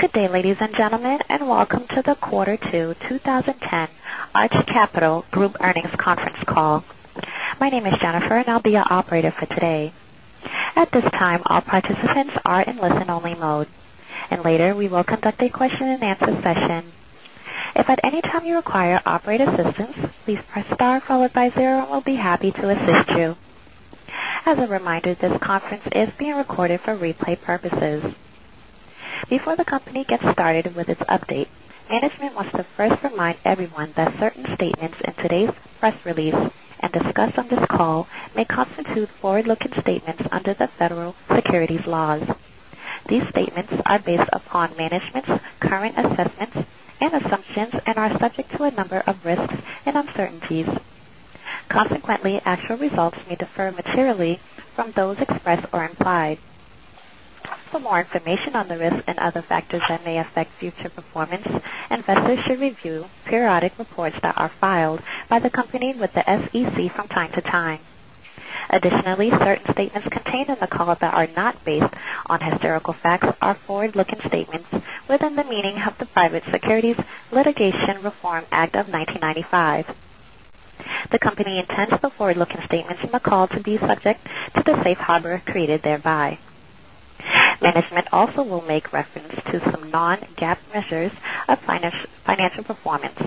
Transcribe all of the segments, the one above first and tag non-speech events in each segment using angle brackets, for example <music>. Good day, ladies and gentlemen, and welcome to the Quarter Two 2010 Arch Capital Group Earnings Conference Call. My name is Jennifer, and I'll be your operator for today. At this time, all participants are in listen-only mode, and later we will conduct a question-and-answer session. If at any time you require operator assistance, please press star followed by 0, and we'll be happy to assist you. As a reminder, this conference is being recorded for replay purposes. Before the company gets started with its update, management wants to first remind everyone that certain statements in today's press release and discussed on this call may constitute forward-looking statements under the Federal Securities laws. These statements are based upon management's current assessments and assumptions and are subject to a number of risks and uncertainties. Consequently, actual results may differ materially from those expressed or implied. For more information on the risks and other factors that may affect future performance, investors should review periodic reports that are filed by the company with the SEC from time to time. Additionally, certain statements contained in the call that are not based on historical facts are forward-looking statements within the meaning of the Private Securities Litigation Reform Act of 1995. The company intends the forward-looking statements in the call to be subject to the safe harbor created thereby. Management also will make reference to some non-GAAP measures of financial performance.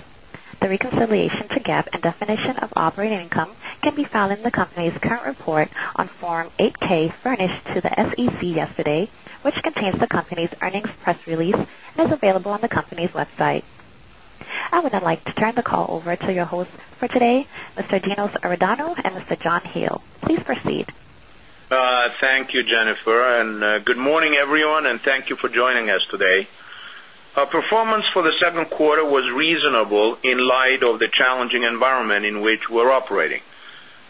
The reconciliation to GAAP and definition of operating income can be found in the company's current report on Form 8-K furnished to the SEC yesterday, which contains the company's earnings press release and is available on the company's website. I would now like to turn the call over to your hosts for today, Mr. Dinos Iordanou and Mr. John Hele. Please proceed. Thank you, Jennifer, and good morning, everyone, and thank you for joining us today. Our performance for the second quarter was reasonable in light of the challenging environment in which we're operating.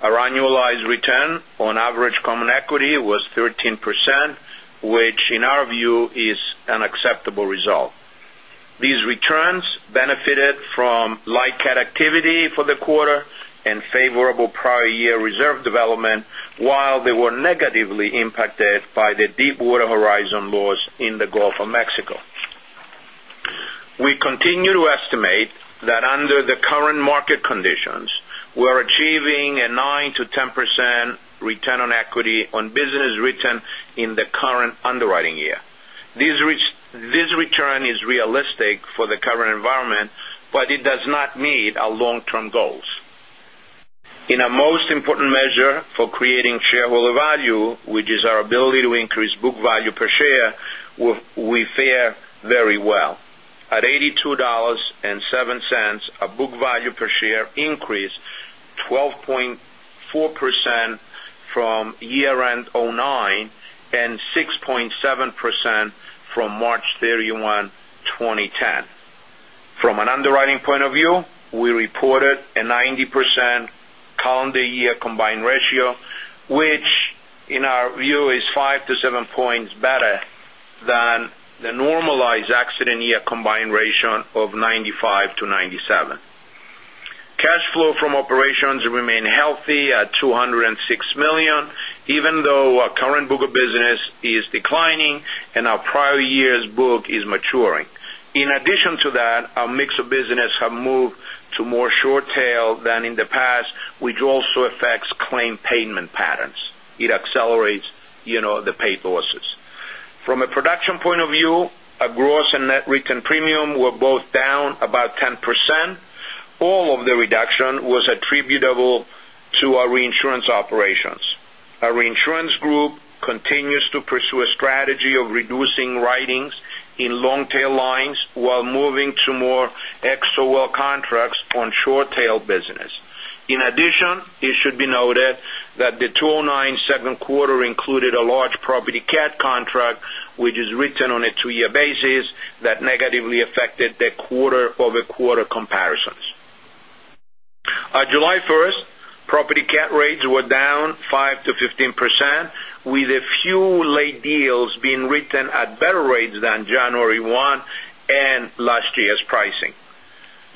Our annualized return on average common equity was 13%, which in our view is an acceptable result. These returns benefited from light cat activity for the quarter and favorable prior year reserve development while they were negatively impacted by the Deepwater Horizon losses in the Gulf of Mexico. We continue to estimate that under the current market conditions, we're achieving a 9%-10% return on equity on business written in the current underwriting year. This return is realistic for the current environment, it does not meet our long-term goals. In our most important measure for creating shareholder value, which is our ability to increase book value per share, we fare very well. At $82.07, our book value per share increased 12.4% from year-end 2009 and 6.7% from March 31, 2010. From an underwriting point of view, we reported a 90% calendar year combined ratio, which in our view is five to seven points better than the normalized accident year combined ratio of 95 to 97. Cash flow from operations remain healthy at $206 million, even though our current book of business is declining and our prior year's book is maturing. In addition to that, our mix of business have moved to more short tail than in the past, which also affects claim payment patterns. It accelerates the pay losses. From a production point of view, our gross and net written premium were both down about 10%. All of the reduction was attributable to our reinsurance operations. Our reinsurance group continues to pursue a strategy of reducing writings in long-tail lines while moving to more XOL contracts on short-tail business. In addition, it should be noted that the 2009 second quarter included a large property cat contract, which is written on a 2-year basis that negatively affected the quarter-over-quarter comparisons. On July first, property cat rates were down 5%-15%, with a few late deals being written at better rates than January 1 and last year's pricing.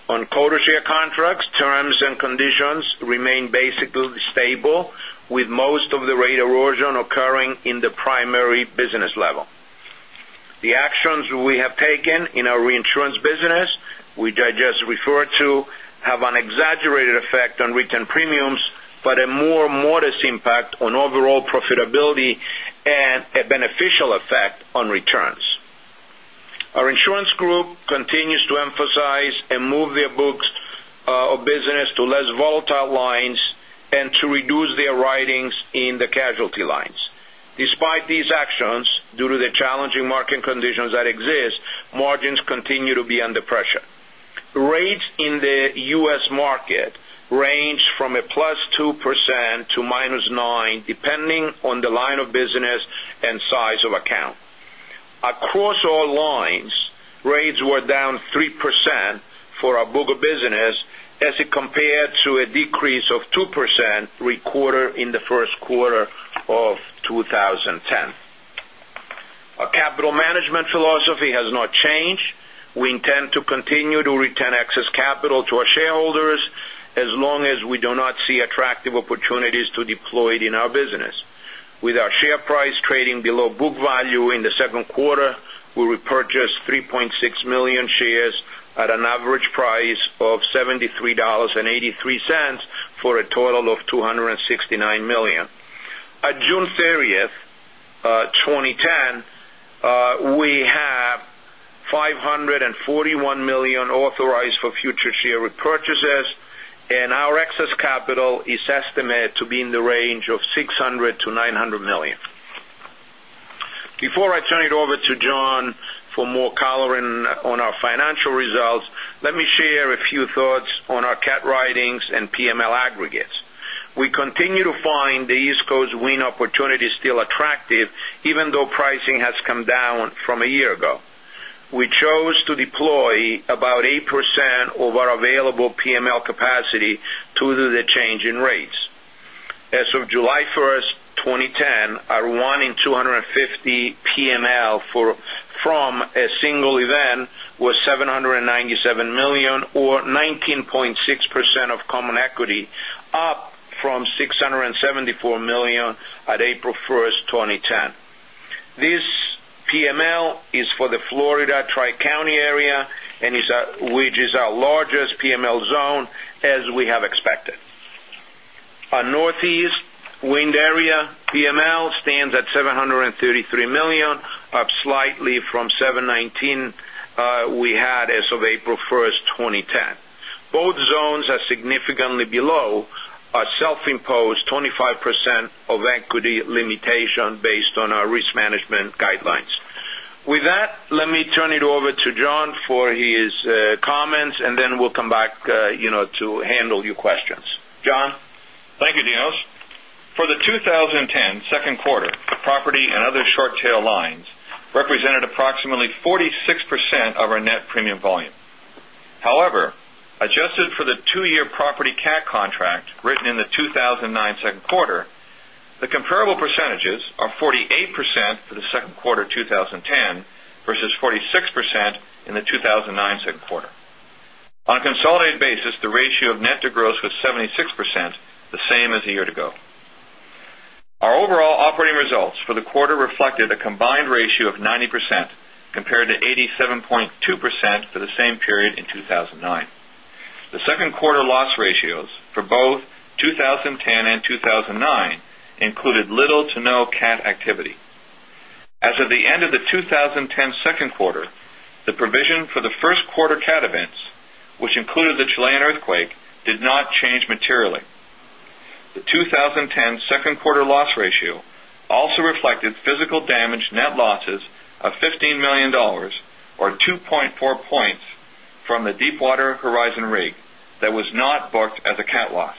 On quota share contracts, terms and conditions remain basically stable, with most of the rate erosion occurring in the primary business level. The actions we have taken in our reinsurance business, which I just referred to, have an exaggerated effect on written premiums, but a more modest impact on overall profitability and a beneficial effect on returns. Our reinsurance group continues to emphasize and move their books of business to less volatile lines and to reduce their writings in the casualty lines. Despite these actions, due to the challenging market conditions that exist, margins continue to be under pressure. Rates in the U.S. market range from a +2% to -9%, depending on the line of business and size of account. Across all lines, rates were down 3% for our book of business as it compared to a decrease of 2% recorded in the first quarter of 2010. Our capital management philosophy has not changed. We intend to continue to return excess capital to our shareholders as long as we do not see attractive opportunities to deploy it in our business. With our share price trading below book value in the second quarter, we repurchased 3.6 million shares at an average price of $73.83 for a total of $269 million. On June 30th, 2010, we have $541 million authorized for future share repurchases, and our excess capital is estimated to be in the range of $600 million-$900 million. Before I turn it over to John for more coloring on our financial results, let me share a few thoughts on our cat writings and PML aggregates. We continue to find the East Coast wind opportunities still attractive, even though pricing has come down from a year ago. We chose to deploy about 8% of our available PML capacity due to the change in rates. As of July 1st, 2010, our 1 in 250 PML from a single event was $797 million, or 19.6% of common equity, up from $674 million on April 1st, 2010. This PML is for the Florida Tri-County area, which is our largest PML zone, as we have expected. Our Northeast wind area PML stands at $733 million, up slightly from $719 million we had as of April 1st, 2010. Both zones are significantly below our self-imposed 25% of equity limitation based on our risk management guidelines. With that, let me turn it over to John for his comments, and then we'll come back to handle your questions. John? Thank you, Dinos. For the 2010 second quarter, the property and other short tail lines represented approximately 46% of our net premium volume. However, adjusted for the 2-year property cat contract written in the 2009 second quarter, the comparable percentages are 48% for the second quarter 2010 versus 46% in the 2009 second quarter. On a consolidated basis, the ratio of net to gross was 76%, the same as a year ago. Our overall operating results for the quarter reflected a combined ratio of 90% compared to 87.2% for the same period in 2009. The second quarter loss ratios for both 2010 and 2009 included little to no cat activity. As of the end of the 2010 second quarter, the provision for the first quarter cat events, which included the Chilean earthquake, did not change materially. The 2010 second quarter loss ratio also reflected physical damage net losses of $15 million or 2.4 points from the Deepwater Horizon rig that was not booked as a cat loss.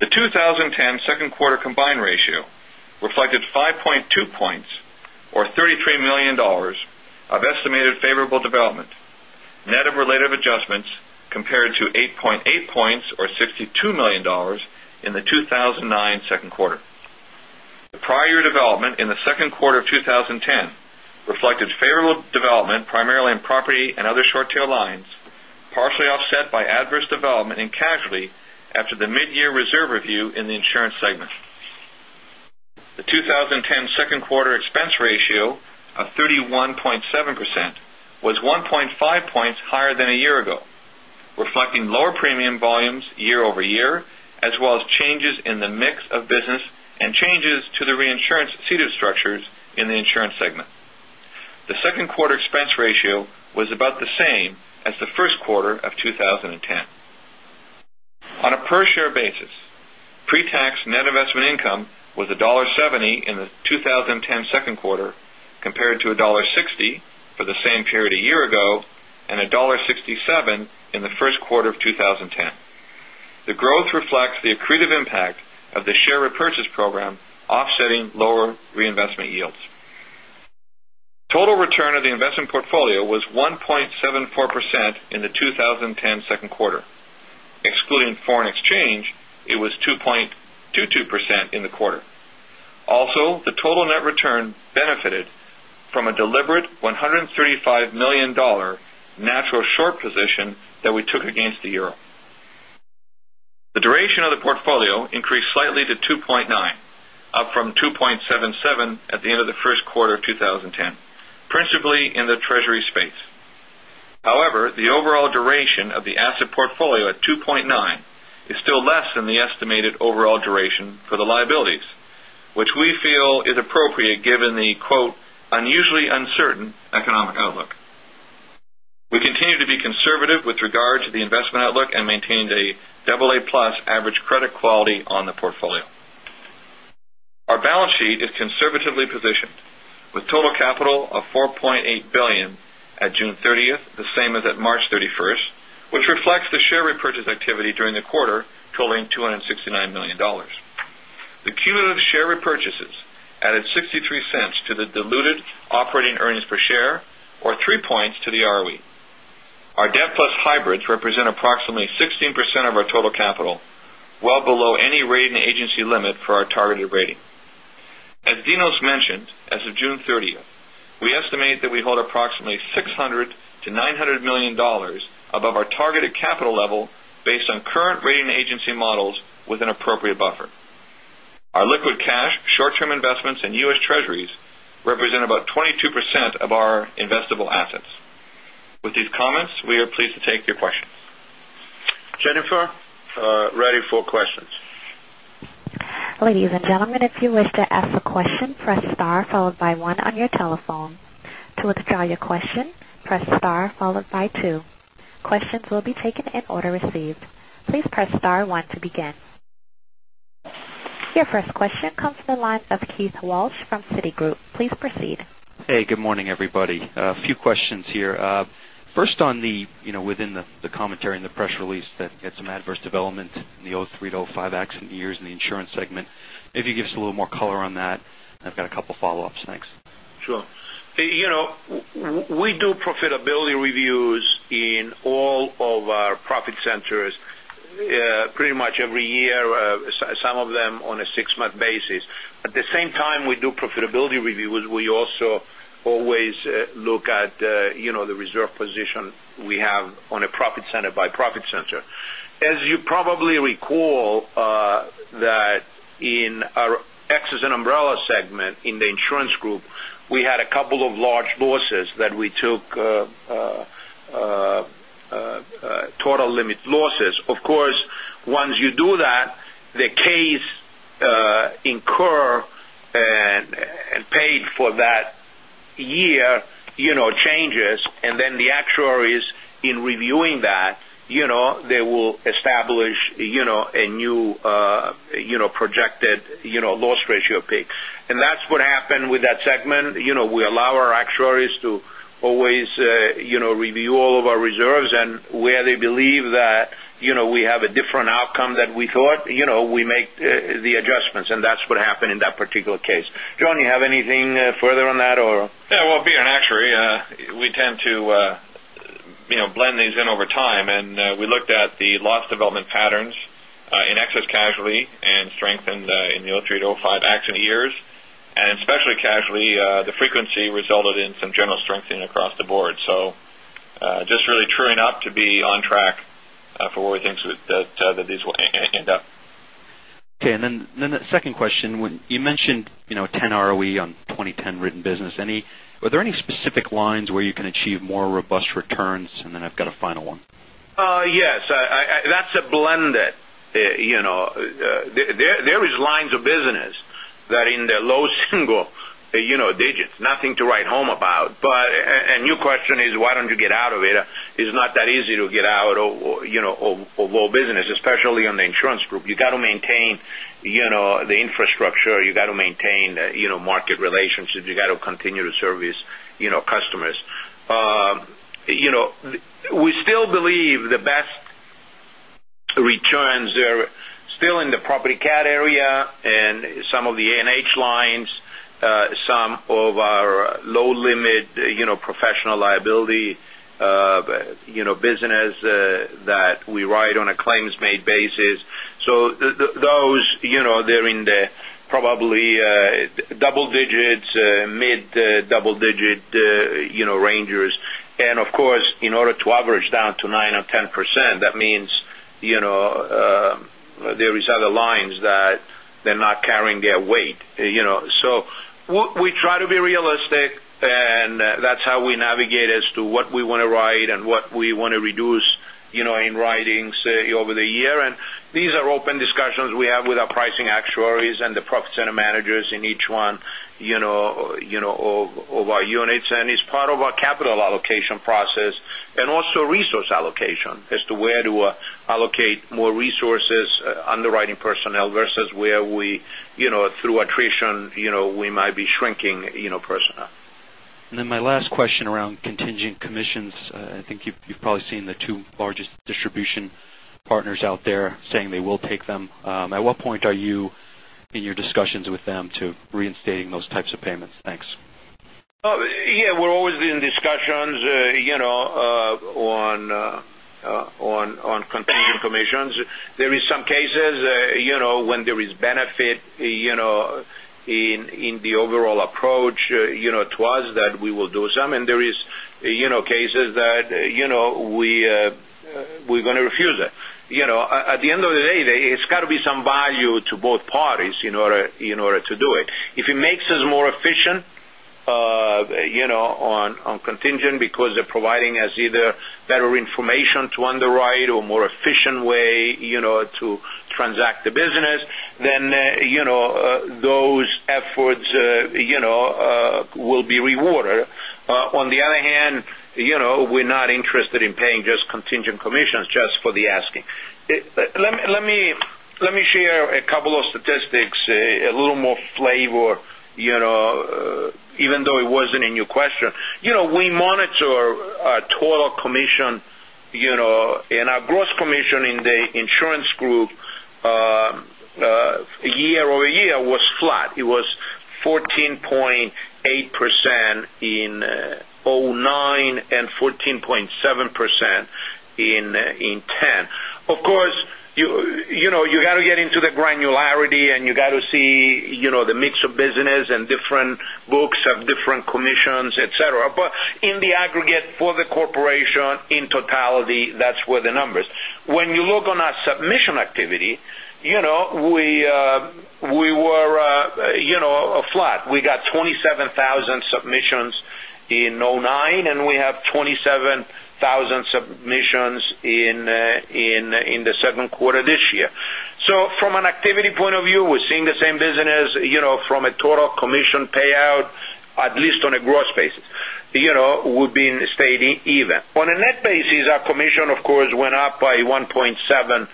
The 2010 second quarter combined ratio reflected 5.2 points, or $33 million of estimated favorable development, net of relative adjustments compared to 8.8 points or $62 million in the 2009 second quarter. The prior year development in the second quarter of 2010 reflected favorable development primarily in property and other short tail lines, partially offset by adverse development in casualty after the mid-year reserve review in the insurance segment. The 2010 second quarter expense ratio of 31.7% was 1.5 points higher than a year ago, reflecting lower premium volumes year-over-year, as well as changes in the mix of business and changes to the reinsurance ceded structures in the insurance segment. The second quarter expense ratio was about the same as the first quarter of 2010. On a per-share basis, pre-tax net investment income was $1.70 in the 2010 second quarter compared to $1.60 for the same period a year ago and $1.67 in the first quarter of 2010. The growth reflects the accretive impact of the share repurchase program offsetting lower reinvestment yields. Total return of the investment portfolio was 1.74% in the 2010 second quarter. Excluding foreign exchange, it was 2.22% in the quarter. The total net return benefited from a deliberate $135 million natural short position that we took against the EUR. The duration of the portfolio increased slightly to 2.9, up from 2.77 at the end of the first quarter of 2010, principally in the Treasury space. However, the overall duration of the asset portfolio at 2.9 is still less than the estimated overall duration for the liabilities, which we feel is appropriate given the, quote, "unusually uncertain economic outlook." We continue to be conservative with regard to the investment outlook and maintained a double A plus average credit quality on the portfolio. Our balance sheet is conservatively positioned with total capital of $4.8 billion at June 30th, the same as at March 31st, which reflects the share repurchase activity during the quarter totaling $269 million. The cumulative share repurchases added $0.63 to the diluted operating earnings per share or 3 points to the ROE. Our debt plus hybrids represent approximately 16% of our total capital, well below any rating agency limit for our targeted rating. As Dinos mentioned, as of June 30th, we estimate that we hold approximately $600 million-$900 million above our targeted capital level based on current rating agency models with an appropriate buffer. Our liquid cash, short-term investments, and US Treasuries represent about 22% of our investable assets. With these comments, we are pleased to take your questions. Jennifer, ready for questions. Ladies and gentlemen, if you wish to ask a question, press star followed by one on your telephone. To withdraw your question, press star followed by two. Questions will be taken in order received. Please press star one to begin. Your first question comes from the line of Keith Walsh from Citigroup. Please proceed. Hey, good morning, everybody. First within the commentary in the press release that had some adverse development in the 2003 to 2005 accident years in the insurance segment. Maybe give us a little more color on that, and I've got a couple follow-ups. Thanks. Sure. We do profitability reviews in all of our profit centers pretty much every year, some of them on a six-month basis. At the same time we do profitability reviews, we also always look at the reserve position we have on a profit center by profit center. As you probably recall, that in our excess and umbrella segment in the insurance group, we had a couple of large losses that we took, total limit losses. Of course, once you do that, the case incur and paid for that year changes, and then the actuaries in reviewing that, they will establish a new projected loss ratio peak. That's what happened with that segment. We allow our actuaries to always review all of our reserves and where they believe that we have a different outcome than we thought, we make the adjustments. That's what happened in that particular case. John, you have anything further on that? Yeah. Well, being an actuary, we tend to blend these in over time. We looked at the loss development patterns in excess casualty and strengthened in the 2003 to 2005 accident years, and especially casualty, the frequency resulted in some general strengthening across the board. Just really truing up to be on track for where we think that these will end up. Okay. The second question. You mentioned 10% ROE on 2010 written business. Are there any specific lines where you can achieve more robust returns? Then I've got a final one. Yes. That's a blended. There is lines of business that in the low single digits, nothing to write home about. Your question is why don't you get out of it? It's not that easy to get out of all business, especially on the insurance group. You've got to maintain the infrastructure, you've got to maintain market relationships, you've got to continue to service customers. We still believe the best returns are still in the property cat area and some of the A&H lines, some of our low limit professional liability business that we write on a claims-made basis. Those, they're in the probably double digits, mid double-digit ranges. Of course, in order to average down to 9% or 10%, that means there is other lines that they're not carrying their weight. We try to be realistic, That's how we navigate as to what we want to write and what we want to reduce in writings over the year. These are open discussions we have with our pricing actuaries and the profit center managers in each one of our units. It's part of our capital allocation process and also resource allocation as to where to allocate more resources, underwriting personnel versus where we through attrition might be shrinking personnel. Then my last question around contingent commissions. I think you've probably seen the two largest distribution partners out there saying they will take them. At what point are you in your discussions with them to reinstating those types of payments? Thanks. Yeah. We're always in discussions on contingent commissions. There is some cases when there is benefit in the overall approach to us that we will do some, and there is cases that we're going to refuse it. At the end of the day, there's got to be some value to both parties in order to do it. If it makes us more efficient on contingent because they're providing us either better information to underwrite or more efficient way to transact the business, then those efforts will be rewarded. We're not interested in paying just contingent commissions just for the asking. Let me share a couple of statistics, a little more flavor, even though it wasn't in your question. We monitor our total commission and our gross commission in the insurance group year. It was 14.8% in 2009 and 14.7% in 2010. Of course, you got to get into the granularity and you got to see the mix of business and different books have different commissions, et cetera. In the aggregate for the corporation, in totality, that's where the numbers. When you look on our submission activity, we were flat. We got 27,000 submissions in 2009, and we have 27,000 submissions in the second quarter this year. From an activity point of view, we're seeing the same business, from a total commission payout, at least on a gross basis. We've been staying even. On a net basis, our commission, of course, went up by 1.7%,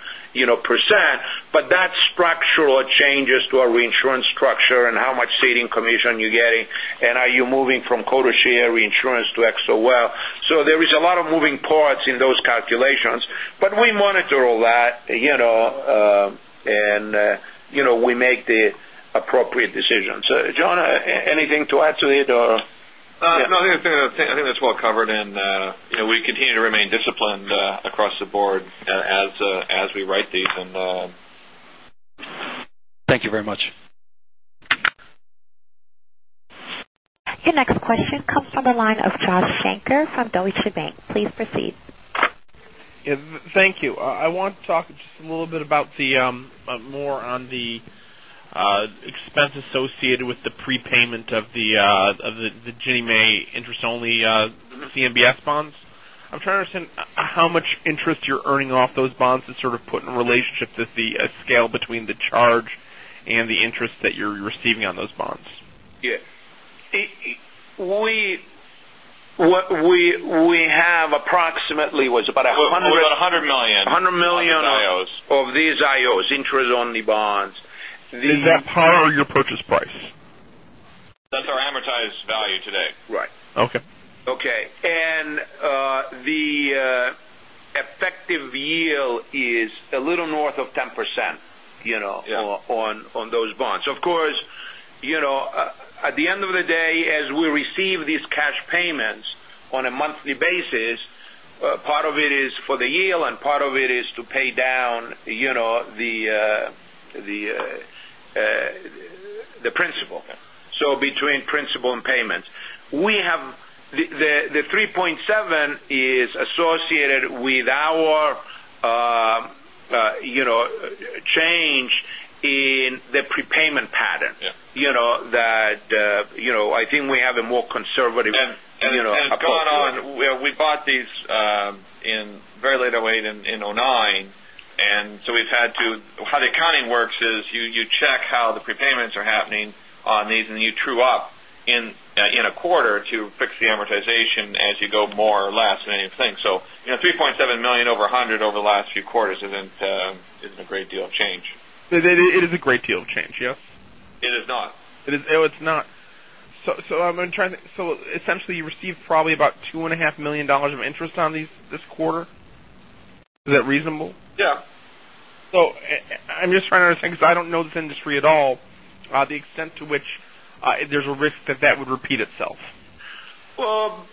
but that's structural changes to our reinsurance structure and how much ceding commission you're getting and are you moving from quota share reinsurance to excess of loss. There is a lot of moving parts in those calculations. We monitor all that, and we make the appropriate decisions. John, anything to add to it or? No, I think that's well covered and we continue to remain disciplined across the board as we write these and Thank you very much. Your next question comes from the line of Joshua Shanker from Deutsche Bank. Please proceed. Yeah. Thank you. I want to talk just a little bit about more on the expense associated with the prepayment of the Ginnie Mae interest-only CMBS bonds. I'm trying to understand how much interest you're earning off those bonds to sort of put in relationship to the scale between the charge and the interest that you're receiving on those bonds. Yeah. We have approximately, what, it's about 100- About $100 million. $100 million. Of these IOs. Of these IOs, interest only bonds. These. Is that par your purchase price? That's our amortized value today. Right. Okay. Okay. The effective yield is a little north of 10%. Yeah on those bonds. Of course, at the end of the day, as we receive these cash payments on a monthly basis, part of it is for the yield, and part of it is to pay down the principal. Okay. Between principal and payments. The 3.7 is associated with our change in the prepayment pattern. Yeah. I think we have a more conservative. Going on, we bought these very late 2008 and 2009. How the accounting works is you check how the prepayments are happening on these, and you true up in a quarter to fix the amortization as you go more or less than anything. $3.7 million over 100 over the last few quarters isn't a great deal of change. It is a great deal of change, yes? It is not. Oh, it's not. Essentially, you received probably about $2.5 million of interest on this quarter. Is that reasonable? Yeah. I'm just trying to understand, because I don't know this industry at all, the extent to which there's a risk that that would repeat itself. Well,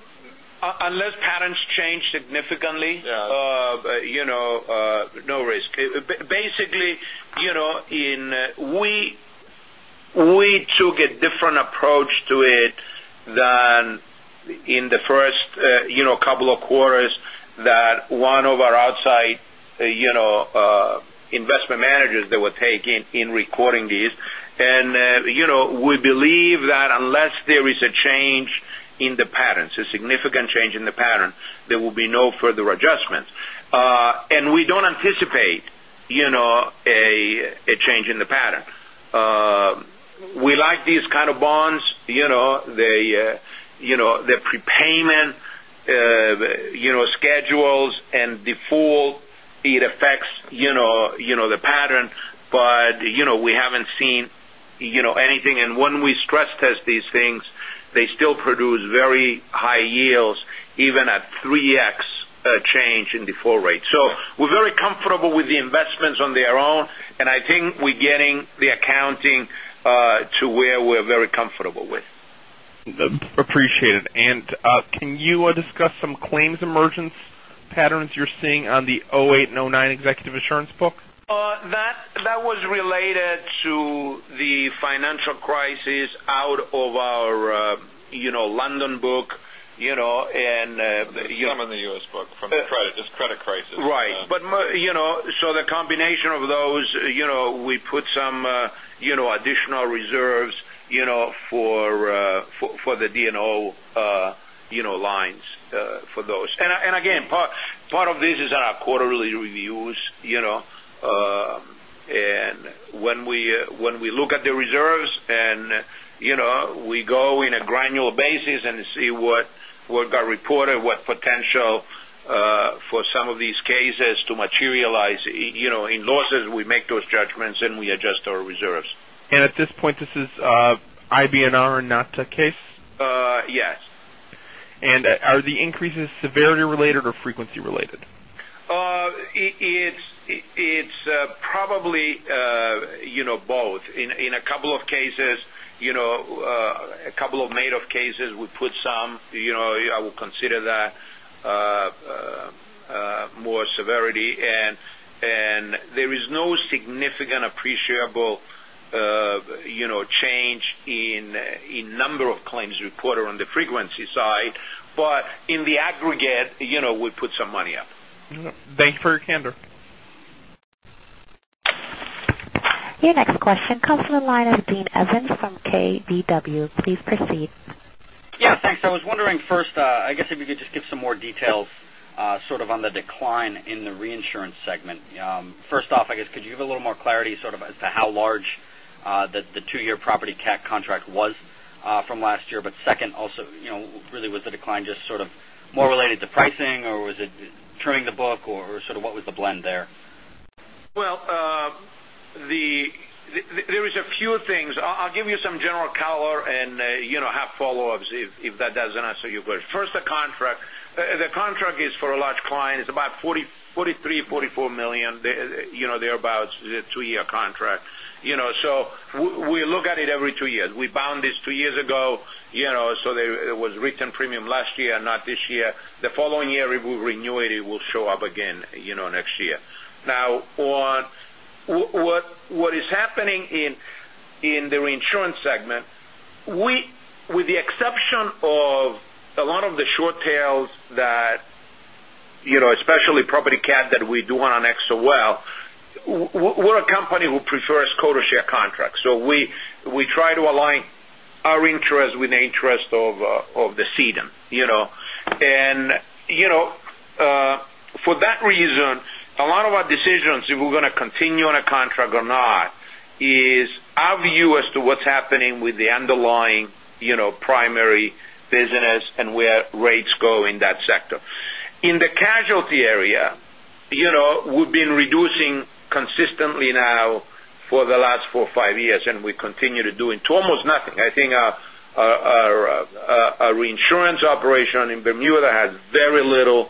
unless patterns change significantly. Yeah no risk. Basically, we took a different approach to it than in the first couple of quarters that one of our outside investment managers they were taking in recording these. We believe that unless there is a change in the patterns, a significant change in the pattern, there will be no further adjustments. We don't anticipate a change in the pattern. We like these kind of bonds. The prepayment schedules and default, it affects the pattern. We haven't seen anything. When we stress test these things, they still produce very high yields, even at 3x change in default rate. We're very comfortable with the investments on their own, and I think we're getting the accounting to where we're very comfortable with. Appreciate it. Can you discuss some claims emergence patterns you're seeing on the '08 and '09 executive assurance book? That was related to the financial crisis out of our London book. Some in the U.S. book from this credit crisis. Right. The combination of those, we put some additional reserves for the D&O lines for those. Again, part of this is our quarterly reviews. When we look at the reserves, and we go in a granular basis and see what got reported, what potential for some of these cases to materialize in losses, we make those judgments, and we adjust our reserves. At this point, this is IBNR not the case? Yes. Are the increases severity related or frequency related? It's probably both. In a couple of cases, a couple of made-up cases, we put some. I would consider that more severity. There is no significant appreciable change in number of claims reported on the frequency side. In the aggregate, we put some money up. Thank you for your candor. Your next question comes from the line of Dean Evans from KBW. Please proceed. Yeah, thanks. I was wondering first, I guess if you could just give some more details on the decline in the reinsurance segment. First off, I guess, could you give a little more clarity as to how large the two-year property cat contract was from last year? Second, also, really was the decline just more related to pricing, or was it trimming the book, or what was the blend there? Well, there is a few things. I'll give you some general color and have follow-ups if that doesn't answer your question. First, the contract. The contract is for a large client. It's about $43 million-$44 million, thereabouts. It's a two-year contract. We look at it every two years. We bound this two years ago, it was written premium last year, not this year. The following year, if we renew it will show up again next year. Now, on what is happening in the reinsurance segment, with the exception of a lot of the short tails that, especially property cat that we do on excess of loss, we're a company who prefers quota share contracts. We try to align our interest with the interest of the ceding. For that reason, a lot of our decisions, if we're going to continue on a contract or not, is our view as to what's happening with the underlying primary business and where rates go in that sector. In the casualty area, we've been reducing consistently now for the last 4 or 5 years, and we continue to do it to almost nothing. I think our reinsurance operation in Bermuda has very little,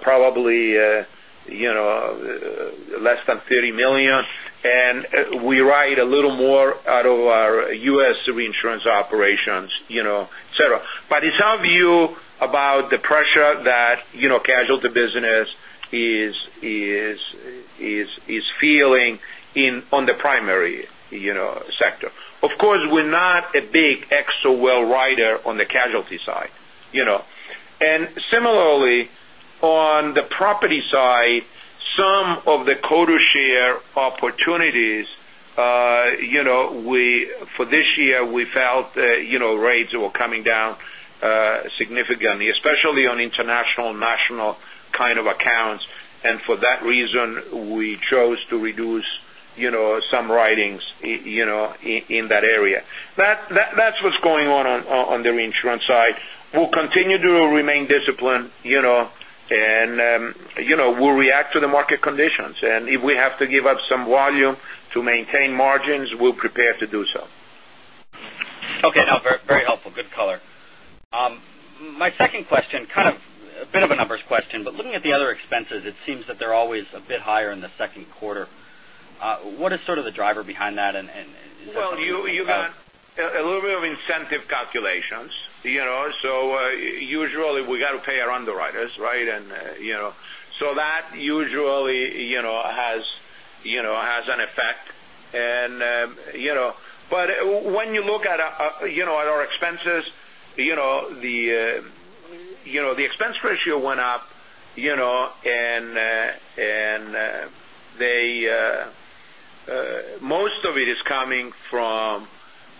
probably less than $30 million, and we write a little more out of our U.S. reinsurance operations, et cetera. It's our view about the pressure that casualty business is feeling on the primary sector. Of course, we're not a big excess of loss writer on the casualty side. Similarly, on the property side, some of the quota share opportunities for this year, we felt rates were coming down significantly, especially on international, national kind of accounts. For that reason, we chose to reduce some writings in that area. That's what's going on the reinsurance side. We'll continue to remain disciplined, and we'll react to the market conditions. If we have to give up some volume to maintain margins, we're prepared to do so. Okay. No, very helpful. Good color. My second question, kind of a bit of a numbers question, but looking at the other expenses, it seems that they're always a bit higher in the second quarter. What is sort of the driver behind that and- You got a little bit of incentive calculations. Usually we got to pay our underwriters, right? That usually has an effect. When you look at our expenses, the expense ratio went up, and most of it is coming from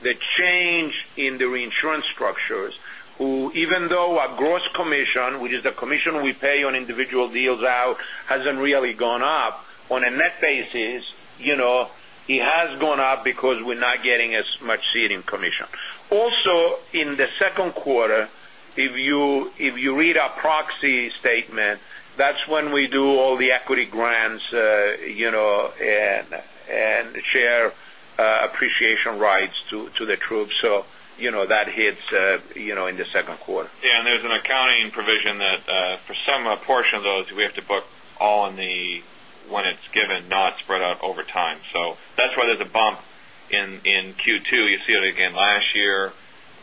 the change in the reinsurance structures. Even though our gross commission, which is the commission we pay on individual deals out, hasn't really gone up. On a net basis, it has gone up because we're not getting as much ceding commission. Also, in the second quarter, if you read our proxy statement, that's when we do all the equity grants and share appreciation rights to the troops. That hits in the second quarter. Yeah. There's an accounting provision that for some portion of those, we have to book all in the, when it's given, not spread out over time. That's why there's a bump in Q2. You see it again last year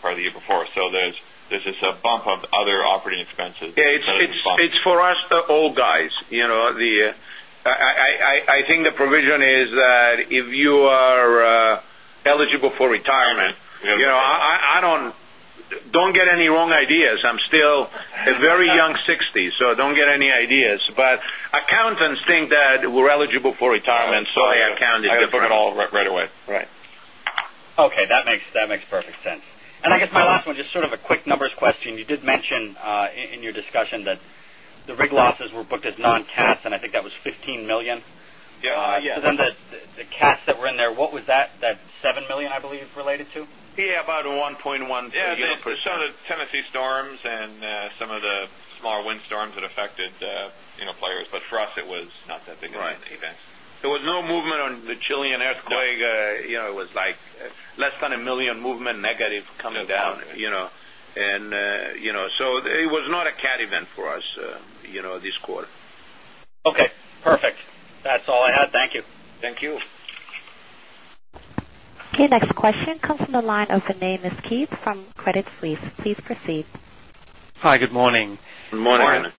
or the year before. There's this bump of other operating expenses. Yeah. It's for us old guys. I think the provision is that if you are eligible for retirement. Don't get any wrong ideas. I'm still a very young 60, so don't get any ideas, but accountants think that we're eligible for retirement, so they accounted for it. I put it all right away. Right. Okay. That makes perfect sense. I guess my last one, just sort of a quick numbers question. You did mention in your discussion that the rig losses were booked as non-cats, and I think that was $15 million. Yeah. The cat events that were in there, what was that? That $7 million, I believe, related to? Yeah, about a $1.1, $1.2. Yeah. Some of the Tennessee storms and some of the smaller wind storms that affected players. For us, it was not that big an event. There was no movement on the Chilean earthquake. It was like less than a $1 million movement negative coming down. It was not a cat event for us this quarter. Okay, perfect. That's all I had. Thank you. Thank you. Okay. Next question comes from the line of the name is Keith from Credit Suisse. Please proceed. Hi. Good morning. Good morning.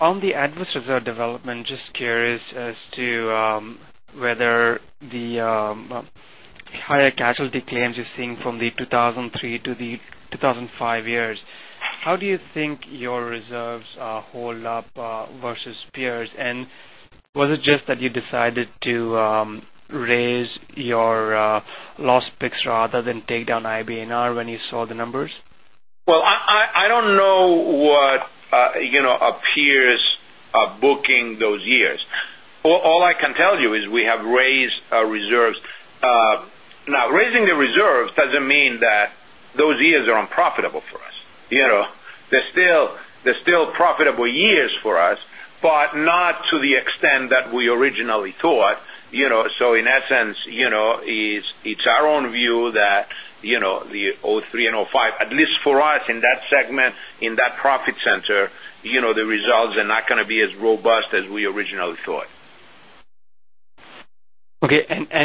On the adverse reserve development, just curious as to whether the higher casualty claims you're seeing from the 2003 to the 2005 years, how do you think your reserves hold up versus peers? Was it just that you decided to raise your loss picks rather than take down IBNR when you saw the numbers? Well, I don't know what peers booking those years. All I can tell you is we have raised our reserves. Raising the reserves doesn't mean that those years are unprofitable for us. They're still profitable years for us, but not to the extent that we originally thought. In that sense, it's our own view that the '03 and '05, at least for us in that segment, in that profit center, the results are not going to be as robust as we originally thought. Okay. I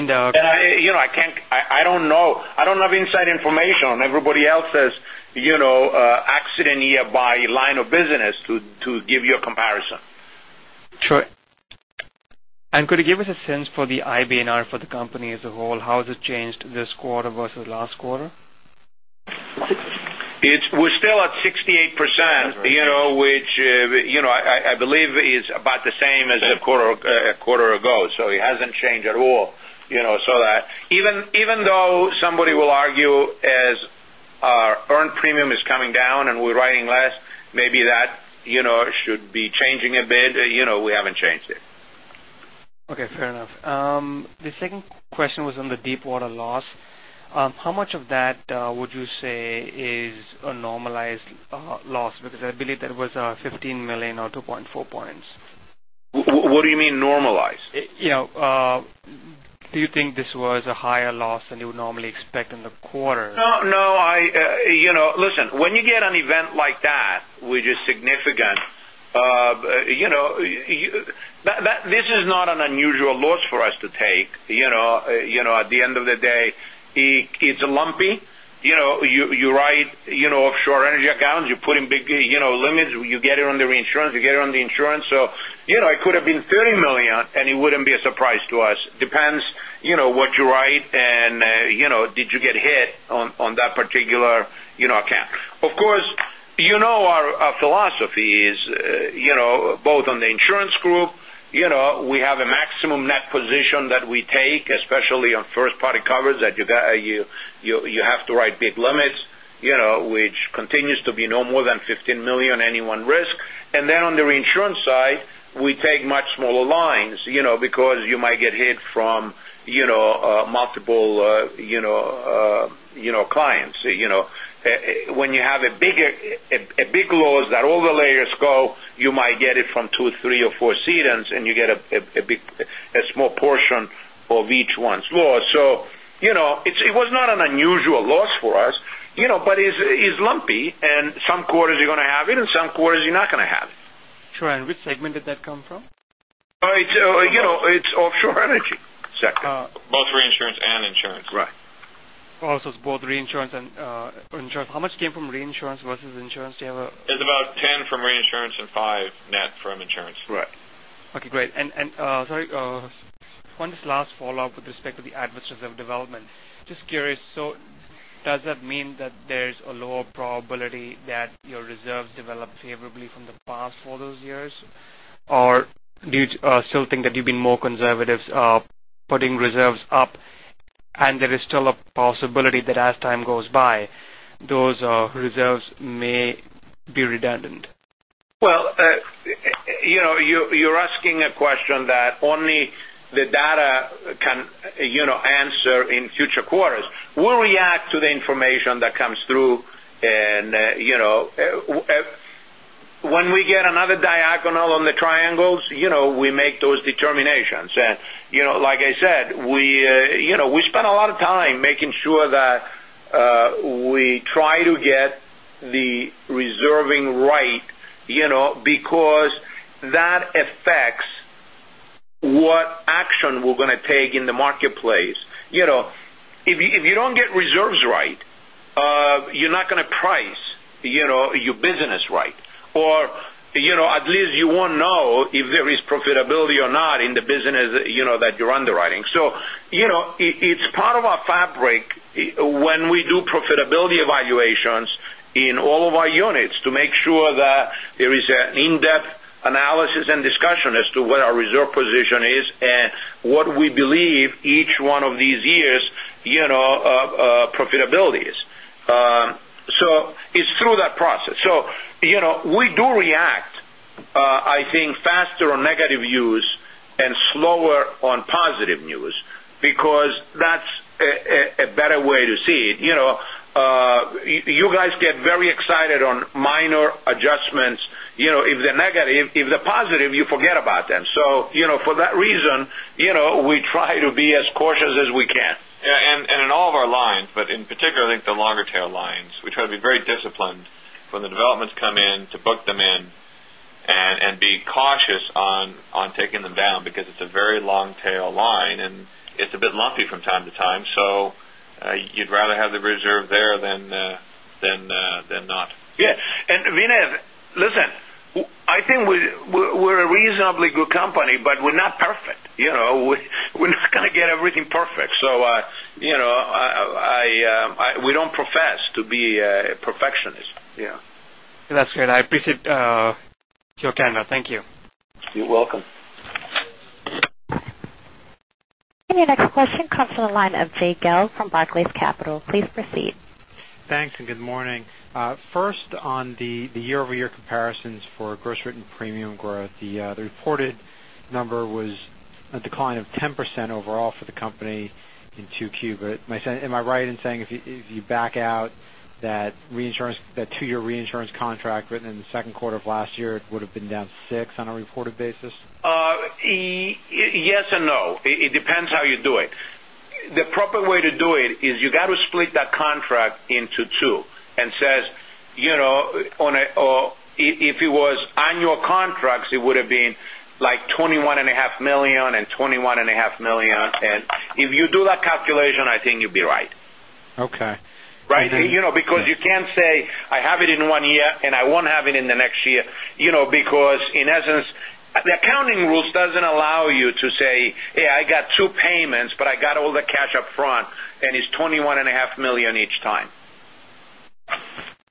don't know. I don't have inside information on everybody else's accident year by line of business to give you a comparison. Sure. Could you give us a sense for the IBNR for the company as a whole? How has it changed this quarter versus last quarter? We're still at 68%, which I believe is about the same as a quarter ago. It hasn't changed at all. Even though somebody will argue as our earned premium is coming down and we're writing less, maybe that should be changing a bit, we haven't changed it. Okay. Fair enough. The second question was on the Deepwater Horizon loss. How much of that would you say is a normalized loss? I believe that was $15 million or 2.4 points. What do you mean normalized? Do you think this was a higher loss than you would normally expect in the quarter? No. Listen, when you get an event like that, which is significant, this is not an unusual loss for us to take. At the end of the day, it's lumpy. You write offshore energy accounts, you put in big limits. You get it on the reinsurance, you get it on the insurance. It could have been $30 million, and it wouldn't be a surprise to us. Depends what you write, and did you get hit on that particular account. Of course, you know our philosophy is, both on the insurance group, we have a maximum net position that we take, especially on first party coverage, that you have to write big limits, which continues to be no more than $15 million any one risk. On the reinsurance side, we take much smaller lines, because you might get hit from multiple clients. When you have a big loss that all the layers go, you might get it from two, three or four cedants, and you get a small portion of each one's loss. It was not an unusual loss for us. It's lumpy, and some quarters you're going to have it, and some quarters you're not going to have it. Sure. Which segment did that come from? It's offshore energy sector. Both reinsurance and insurance. Right. Oh, it's both reinsurance and insurance. How much came from reinsurance versus insurance? Do you have? It's about 10 from reinsurance and five net from insurance. Right. Okay, great. Sorry, one last follow-up with respect to the adverse reserve development. Just curious, does that mean that there's a lower probability that your reserves develop favorably from the past for those years? Or do you still think that you've been more conservative putting reserves up, and there is still a possibility that as time goes by, those reserves may be redundant? Well, you're asking a question that only the data can answer in future quarters. We'll react to the information that comes through. When we get another diagonal on the triangles, we make those determinations. Like I said, we spend a lot of time making sure that we try to get the reserving right because that affects what action we're going to take in the marketplace. If you don't get reserves right, you're not going to price your business right. At least you won't know if there is profitability or not in the business that you're underwriting. It's part of our fabric when we do profitability evaluations in all of our units to make sure that there is an in-depth analysis and discussion as to what our reserve position is and what we believe each one of these years' profitability is. It's through that process. We do react, I think, faster on negative news and slower on positive news because that's a better way to see it. You guys get very excited on minor adjustments if they're negative. If they're positive, you forget about them. For that reason, we try to be as cautious as we can. Particularly the longer tail lines. We try to be very disciplined when the developments come in to book them in and be cautious on taking them down because it's a very long tail line, and it's a bit lumpy from time to time. You'd rather have the reserve there than not. Yeah. Vinay, listen, I think we're a reasonably good company, but we're not perfect. We're not going to get everything perfect. We don't profess to be a perfectionist. Yeah. That's good. I appreciate your candor. Thank you. You're welcome. Your next question comes from the line of Jay Gelb from Barclays Capital. Please proceed. Thanks, and good morning. First, on the year-over-year comparisons for gross written premium growth, the reported number was a decline of 10% overall for the company in Q2. Am I right in saying if you back out that two-year reinsurance contract written in the second quarter of last year, it would have been down six on a reported basis? Yes and no. It depends how you do it. The proper way to do it is you got to split that contract into two and says, if it was annual contracts, it would've been like $21.5 million and $21.5 million. If you do that calculation, I think you'd be right. Okay. Right. Because you can't say, I have it in one year, and I won't have it in the next year. Because in essence, the accounting rules doesn't allow you to say, "Hey, I got two payments, but I got all the cash up front, and it's $21.5 million each time.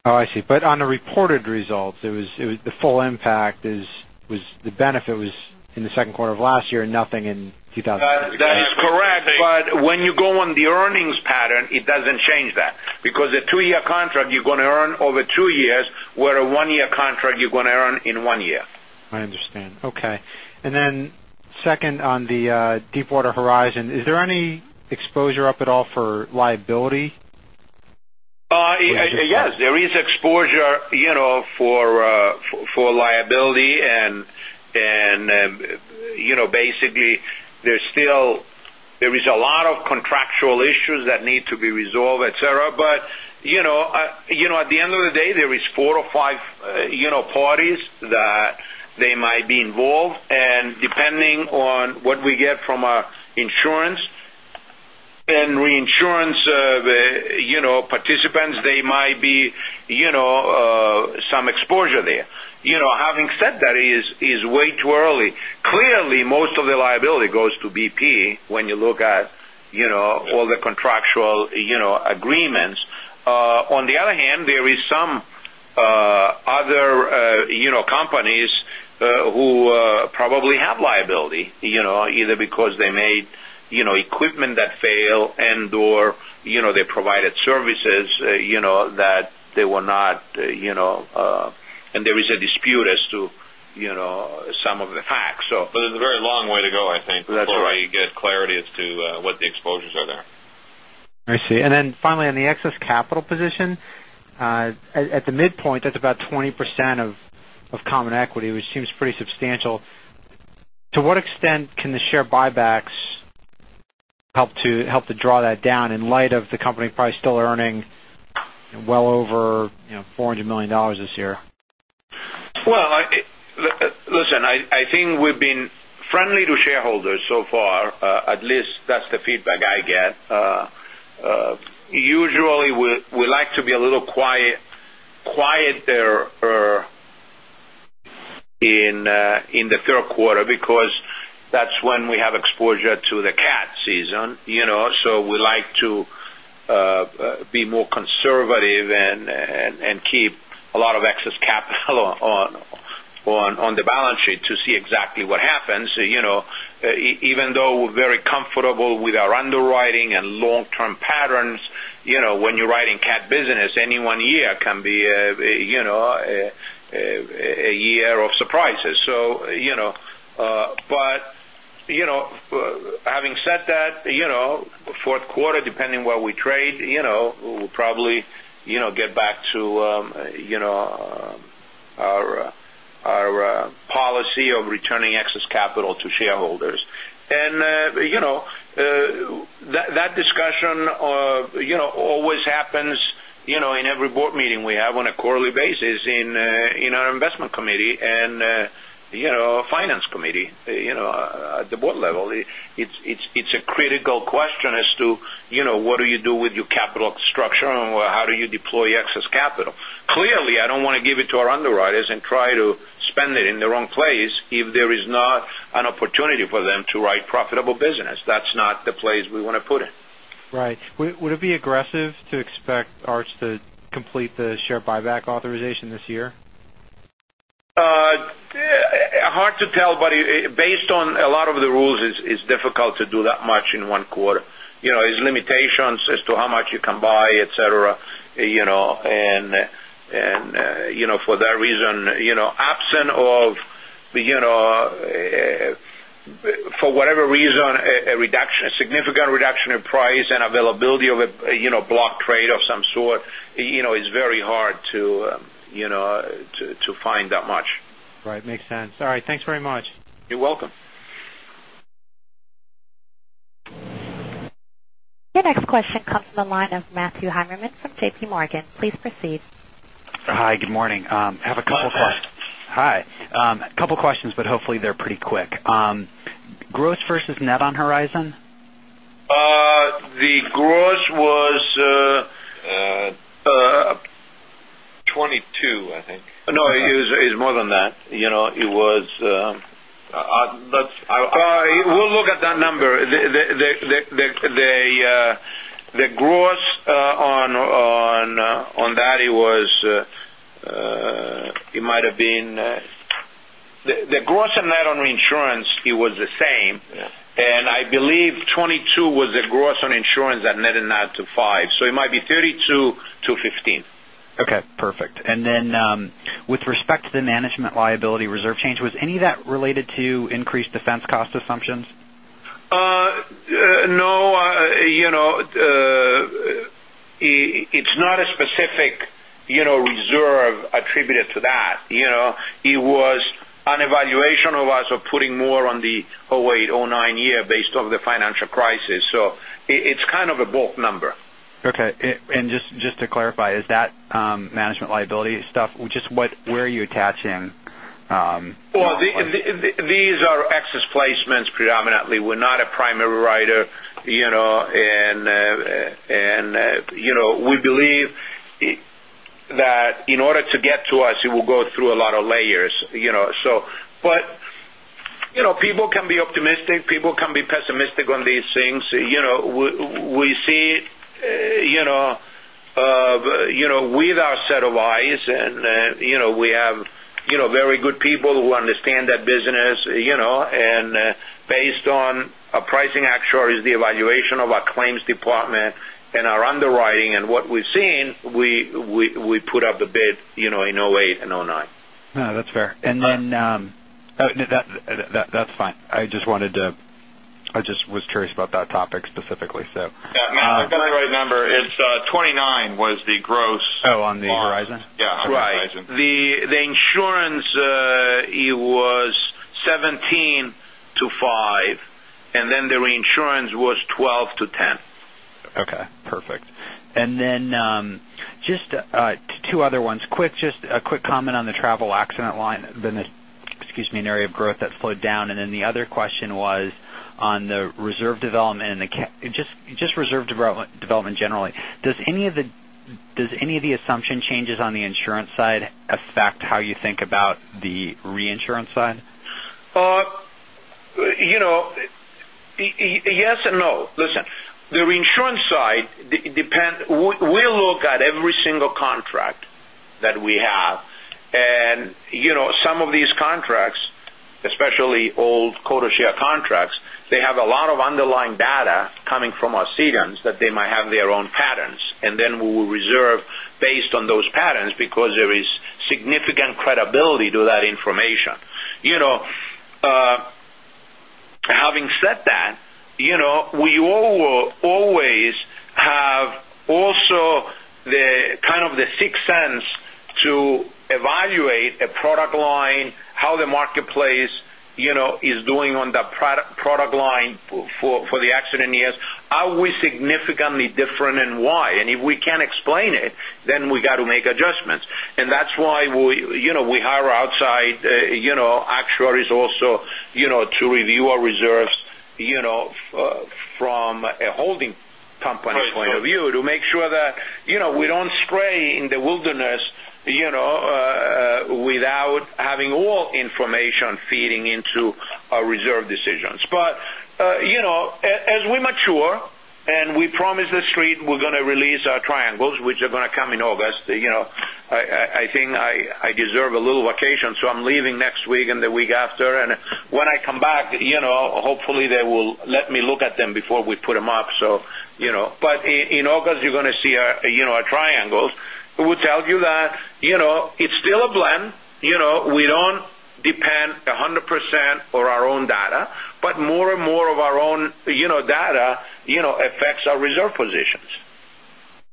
Oh, I see. On the reported results, the full impact, the benefit was in the second quarter of last year, nothing in. <audio distortion> That is correct. When you go on the earnings pattern, it doesn't change that. A two-year contract, you're going to earn over two years, where a one-year contract, you're going to earn in one year. I understand. Okay. Then second on the Deepwater Horizon, is there any exposure up at all for liability? Yes, there is exposure for liability and basically there is a lot of contractual issues that need to be resolved, et cetera. At the end of the day, there is four or five parties that they might be involved, and depending on what we get from our insurance and reinsurance participants, there might be some exposure there. Having said that, it is way too early. Clearly, most of the liability goes to BP when you look at all the contractual agreements. On the other hand, there is some other companies who probably have liability, either because they made equipment that fail and/or they provided services that they were not, and there is a dispute as to some of the facts. There's a very long way to go, I think. That's right. before you get clarity as to what the exposures are there. I see. Finally, on the excess capital position. At the midpoint, that's about 20% of common equity, which seems pretty substantial. To what extent can the share buybacks help to draw that down in light of the company probably still earning well over $400 million this year? Listen, I think we've been friendly to shareholders so far. At least that's the feedback I get. Usually, we like to be a little quieter in the third quarter because that's when we have exposure to the cat season. We like to be more conservative and keep a lot of excess capital on the balance sheet to see exactly what happens. Even though we're very comfortable with our underwriting and long-term patterns, when you're writing cat business, any one year can be a year of surprises. Having said that, fourth quarter, depending where we trade, we'll probably get back to our policy of returning excess capital to shareholders. That discussion always happens in every board meeting we have on a quarterly basis in our investment committee and our finance committee at the board level. It's a critical question as to what do you do with your capital structure and how do you deploy excess capital. Clearly, I don't want to give it to our underwriters and try to spend it in the wrong place if there is not an opportunity for them to write profitable business. That's not the place we want to put it. Right. Would it be aggressive to expect Arch to complete the share buyback authorization this year? Hard to tell, based on a lot of the rules, it's difficult to do that much in one quarter. There's limitations as to how much you can buy, et cetera. For that reason, absent of for whatever reason, a significant reduction in price and availability of a block trade of some sort, it's very hard to find that much. Right. Makes sense. All right. Thanks very much. You're welcome. Your next question comes from the line of Matthew Heimermann from J.P. Morgan. Please proceed. Hi. Good morning. I have a couple- Hi, Matt. Hopefully they're pretty quick. Gross versus net on Horizon? The gross was- 22, I think. No, it's more than that. We'll look at that number. The gross and net on reinsurance, it was the same. Yeah. I believe 22 was the gross on insurance and net to five, so it might be 32 to 15. Okay, perfect. Then, with respect to the management liability reserve change, was any of that related to increased defense cost assumptions? No. It's not a specific reserve attributed to that. It was an evaluation of putting more on the 2008, 2009 year based off the financial crisis. It's kind of a bulk number. Okay. Just to clarify, is that management liability stuff, just where are you attaching? Well, these are excess placements predominantly. We're not a primary writer. We believe that in order to get to us, it will go through a lot of layers. People can be optimistic, people can be pessimistic on these things. We see it with our set of eyes, and we have very good people who understand that business. Based on our pricing actuaries, the evaluation of our claims department, and our underwriting, and what we've seen, we put up the bid in 2008 and 2009. No, that's fair. But- That's fine. I just was curious about that topic specifically. Yeah, Matt, I've got the right number. It's 29, was the gross. Oh, on the Horizon? Yeah, on the Horizon. Right. The insurance, it was 17 to five, and then the reinsurance was 12 to 10. Okay, perfect. Just two other ones. Just a quick comment on the travel accident line, an area of growth that slowed down. The other question was on the reserve development and just reserve development generally. Does any of the assumption changes on the insurance side affect how you think about the reinsurance side? Yes and no. Listen. The reinsurance side, we look at every single contract that we have. Some of these contracts, especially old quota share contracts, they have a lot of underlying data coming from our cedants that they might have their own patterns. We will reserve based on those patterns because there is significant credibility to that information. Having said that, we will always have also kind of the sixth sense to evaluate a product line, how the marketplace is doing on the product line for the accident years. Are we significantly different, and why? If we can't explain it, then we got to make adjustments. That's why we hire outside actuaries also to review our reserves from a holding company's point of view, to make sure that we don't stray in the wilderness without having all information feeding into our reserve decisions. As we mature, we promise the street we're going to release our triangles, which are going to come in August. I think I deserve a little vacation, so I'm leaving next week and the week after. When I come back, hopefully they will let me look at them before we put them up. In August, you're going to see our triangles. We'll tell you that it's still a blend. We don't depend 100% on our own data, but more and more of our own data affects our reserve positions.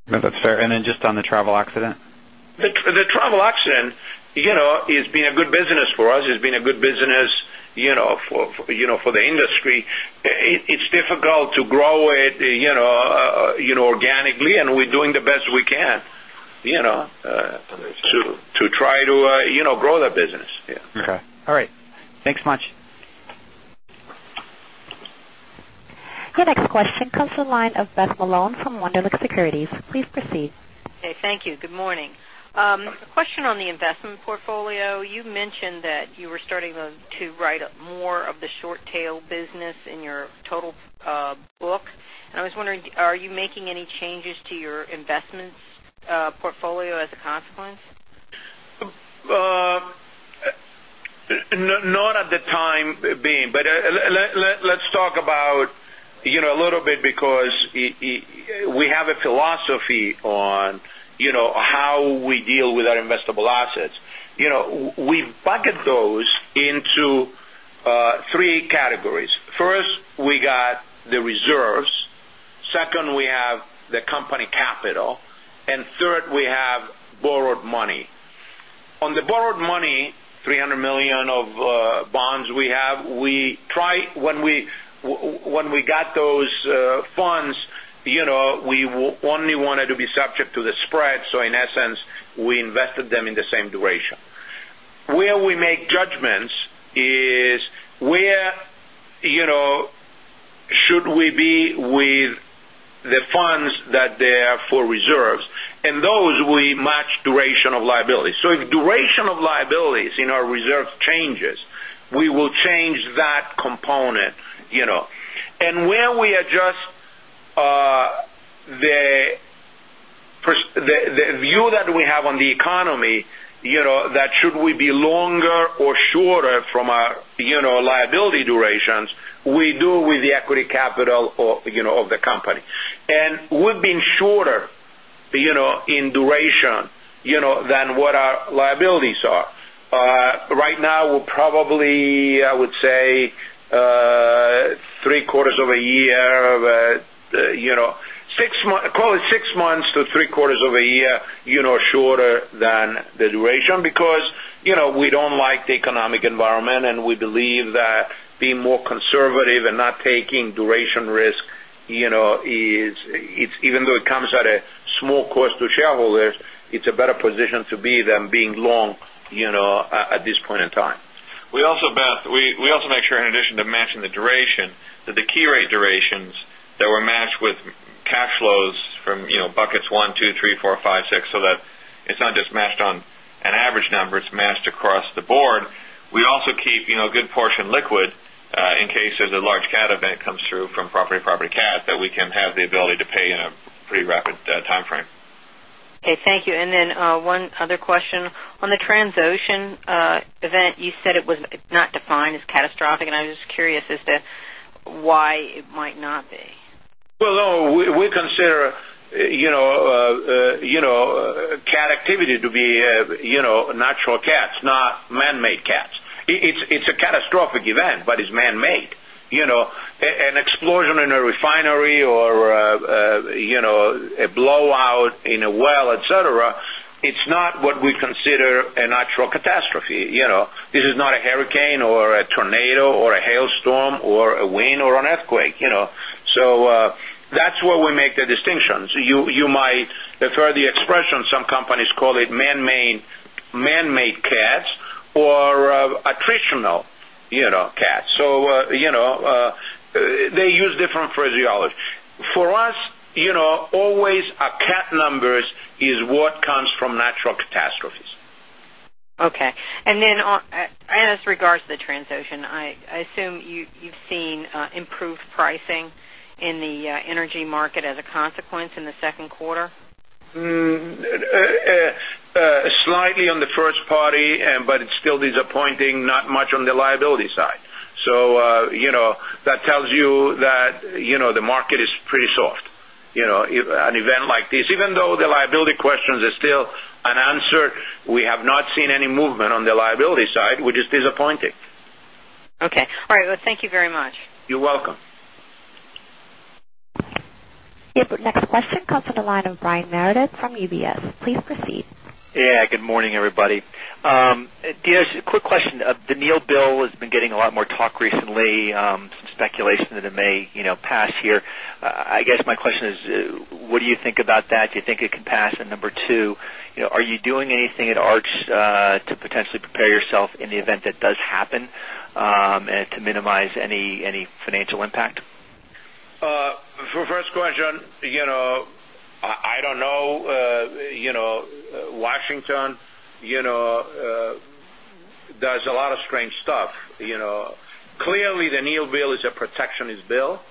No, that's fair. Just on the travel accident. The travel accident, it's been a good business for us. It's been a good business for the industry. It's difficult to grow it organically, and we're doing the best we can- Understood to try to grow the business. Yeah. Okay. All right. Thanks much. Your next question comes from the line of Beth Malone from Wunderlich Securities. Please proceed. Okay, thank you. Good morning. Question on the investment portfolio. You mentioned that you were starting to write up more of the short-tail business in your total book, I was wondering, are you making any changes to your investments portfolio as a consequence? Not at the time being. Let's talk about a little bit because we have a philosophy on how we deal with our investable assets. We bucket those into three categories. First, we got the reserve, the company capital. Third, we have borrowed money. On the borrowed money, $300 million of bonds we have. When we got those funds, we only wanted to be subject to the spread. In essence, we invested them in the same duration. Where we make judgments is where should we be with the funds that they have for reserves. Those, we match duration of liability. If duration of liabilities in our reserves changes, we will change that component. Where we adjust the view that we have on the economy, that should we be longer or shorter from our liability durations, we do with the equity capital of the company. We've been shorter in duration than what our liabilities are. Right now, we're probably, I would say, call it six months to three quarters of a year shorter than the duration because we don't like the economic environment and we believe that being more conservative and not taking duration risk, even though it comes at a small cost to shareholders, it's a better position to be than being long at this point in time. We also make sure, in addition to matching the duration, that the key rate durations that were matched with cash flows from buckets 1, 2, 3, 4, 5, 6, so that it's not just matched on an average number, it's matched across the board. We also keep a good portion liquid, in case there's a large cat event comes through from property cat, that we can have the ability to pay in a pretty rapid timeframe. Okay, thank you. One other question. On the Transocean event, you said it was not defined as catastrophic, and I was just curious as to why it might not be. Well, we consider cat activity to be natural cats, not man-made cats. It's a catastrophic event, but it's man-made. An explosion in a refinery or a blowout in a well, et cetera, it's not what we consider a natural catastrophe. This is not a hurricane or a tornado or a hailstorm or a wind or an earthquake. That's where we make the distinctions. You might prefer the expression, some companies call it man-made cats or attritional cats. They use different phraseology. For us, always our cat numbers is what comes from natural catastrophes. Okay. As regards to the Transocean, I assume you've seen improved pricing in the energy market as a consequence in the second quarter? Hmm. Slightly on the first party, but it's still disappointing, not much on the liability side. That tells you that the market is pretty soft. An event like this, even though the liability questions are still unanswered, we have not seen any movement on the liability side, which is disappointing. Okay. All right. Well, thank you very much. You're welcome. Your next question comes from the line of Brian Meredith from UBS. Please proceed. Yeah, good morning, everybody. Dinos, just a quick question. The Neal Bill has been getting a lot more talk recently, some speculation that it may pass here. I guess my question is, what do you think about that? Do you think it can pass? Number two, are you doing anything at Arch to potentially prepare yourself in the event that does happen, and to minimize any financial impact? For first question, I don't know. Washington does a lot of strange stuff. Clearly the Neal Bill is a protectionist bill.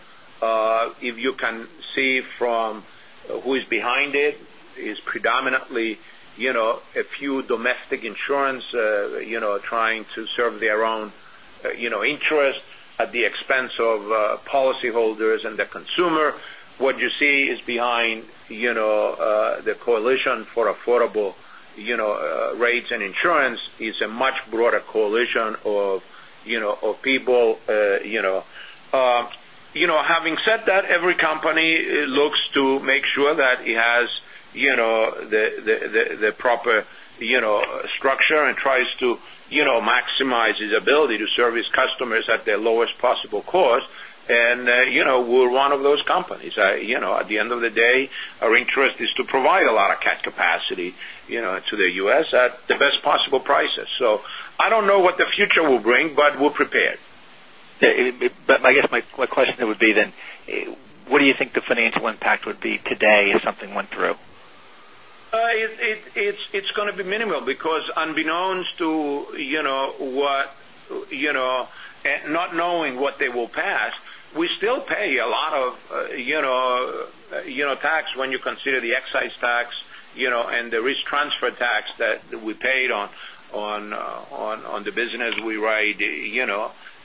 If you can see from who is behind it, is predominantly a few domestic insurance, trying to serve their own interests at the expense of policy holders and the consumer. What you see is behind the Citizens for Affordable Rates is a much broader coalition of people. Having said that, every company looks to make sure that it has the proper structure and tries to maximize its ability to serve its customers at their lowest possible cost. We're one of those companies. At the end of the day, our interest is to provide a lot of cat capacity to the U.S. at the best possible prices. I don't know what the future will bring, but we're prepared. I guess my question would be then, what do you think the financial impact would be today if something went through? It's going to be minimal because unbeknownst to not knowing what they will pass, we still pay a lot of tax when you consider the excise tax and the risk transfer tax that we paid on the business we write in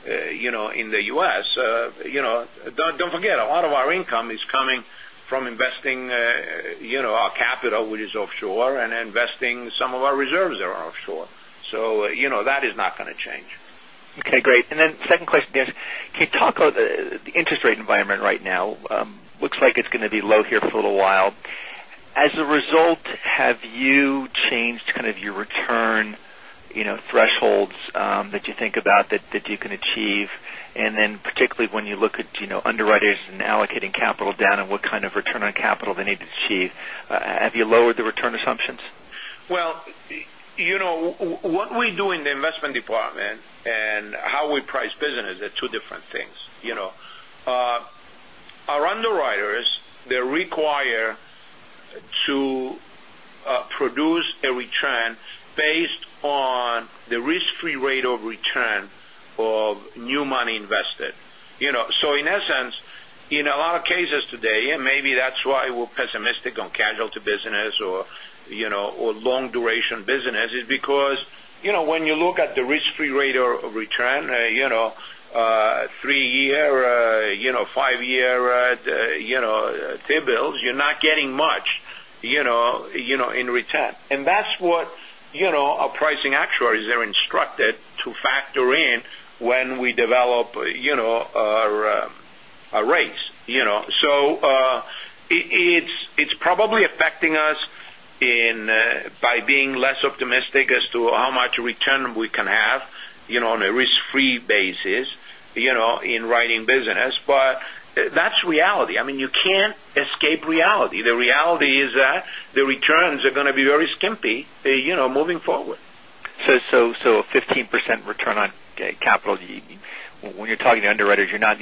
the U.S. Don't forget, a lot of our income is coming from investing our capital, which is offshore, and investing some of our reserves that are offshore. That is not going to change. Okay, great. Second question, Dinos. Can you talk about the interest rate environment right now? Looks like it's going to be low here for a little while. As a result, have you changed kind of your return thresholds that you think about that you can achieve? Particularly when you look at underwriters and allocating capital down and what kind of return on capital they need to achieve, have you lowered the return assumptions? What we do in the investment department and how we price business are two different things. Our underwriters, they're required to produce a return based on the risk-free rate of return of new money invested. In essence, in a lot of cases today, and maybe that's why we're pessimistic on casualty business or long duration business, is because when you look at the risk-free rate of return, three year, five year T-bills, you're not getting much in return. That's what our pricing actuaries are instructed to factor in when we develop our rates. It's probably affecting us by being less optimistic as to how much return we can have on a risk-free basis in writing business. That's reality. I mean, you can't escape reality. The reality is that the returns are going to be very skimpy moving forward. 15% return on capital. When you're talking to underwriters, you're not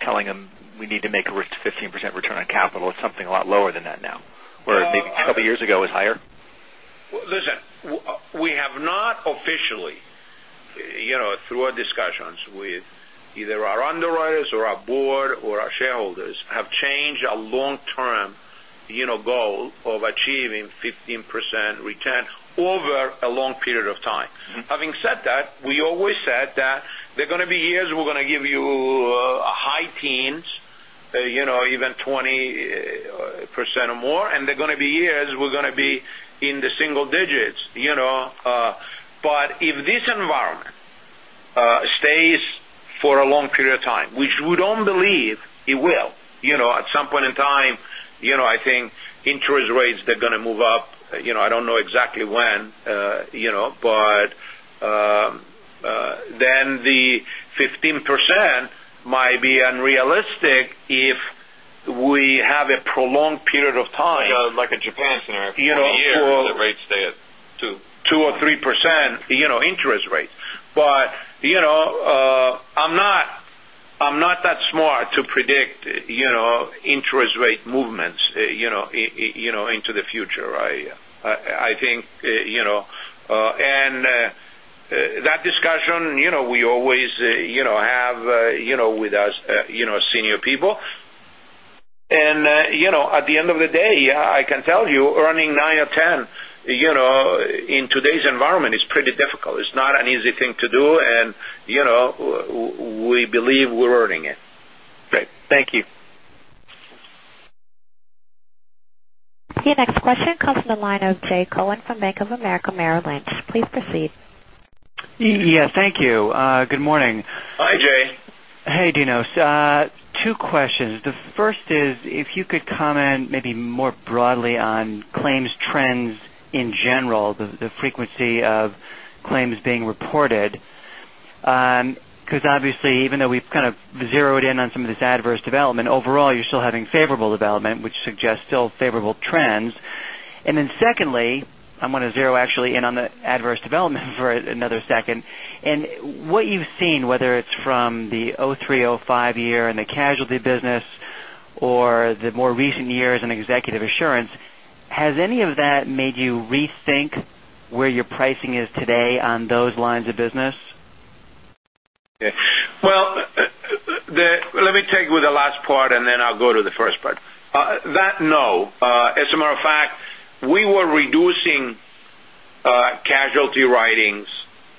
telling them we need to make a 15% return on capital. It's something a lot lower than that now. Where maybe a couple years ago it was higher. Listen, we have not officially, through our discussions with either our underwriters or our board or our shareholders, have changed our long-term goal of achieving 15% return over a long period of time. Having said that, we always said that there are going to be years we're going to give you high teens, even 20% or more, and there are going to be years we're going to be in the single digits. If this environment stays for a long period of time, which we don't believe it will. At some point in time, I think interest rates, they're going to move up. I don't know exactly when. The 15% might be unrealistic if we have a prolonged period of time. Like a Japan scenario. For- 20 years, the rates stay at two. two or 3% interest rates. I'm not that smart to predict interest rate movements into the future. I think, that discussion we always have with our senior people. At the end of the day, I can tell you, earning nine or 10 in today's environment is pretty difficult. It's not an easy thing to do, and we believe we're earning it. Great. Thank you. Your next question comes from the line of Jay Cohen from Bank of America Merrill Lynch. Please proceed. Yes, thank you. Good morning. Hi, Jay. Hey, Dinos. Two questions. The first is, if you could comment maybe more broadly on claims trends in general, the frequency of claims being reported. Obviously, even though we've kind of zeroed in on some of this adverse development, overall, you're still having favorable development, which suggests still favorable trends. Secondly, I'm going to zero actually in on the adverse development for another second. What you've seen, whether it's from the 2003, 2005 year in the casualty business or the more recent years in executive assurance, has any of that made you rethink where your pricing is today on those lines of business? Well, let me take with the last part, I'll go to the first part. That, no. As a matter of fact, we were reducing casualty writings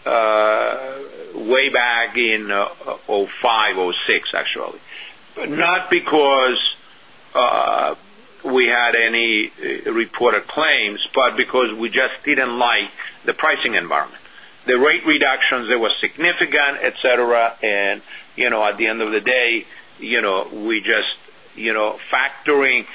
way back in 2005, 2006, actually. Not because we had any reported claims, because we just didn't like the pricing environment. The rate reductions, they were significant, et cetera, at the end of the day, we just, factoring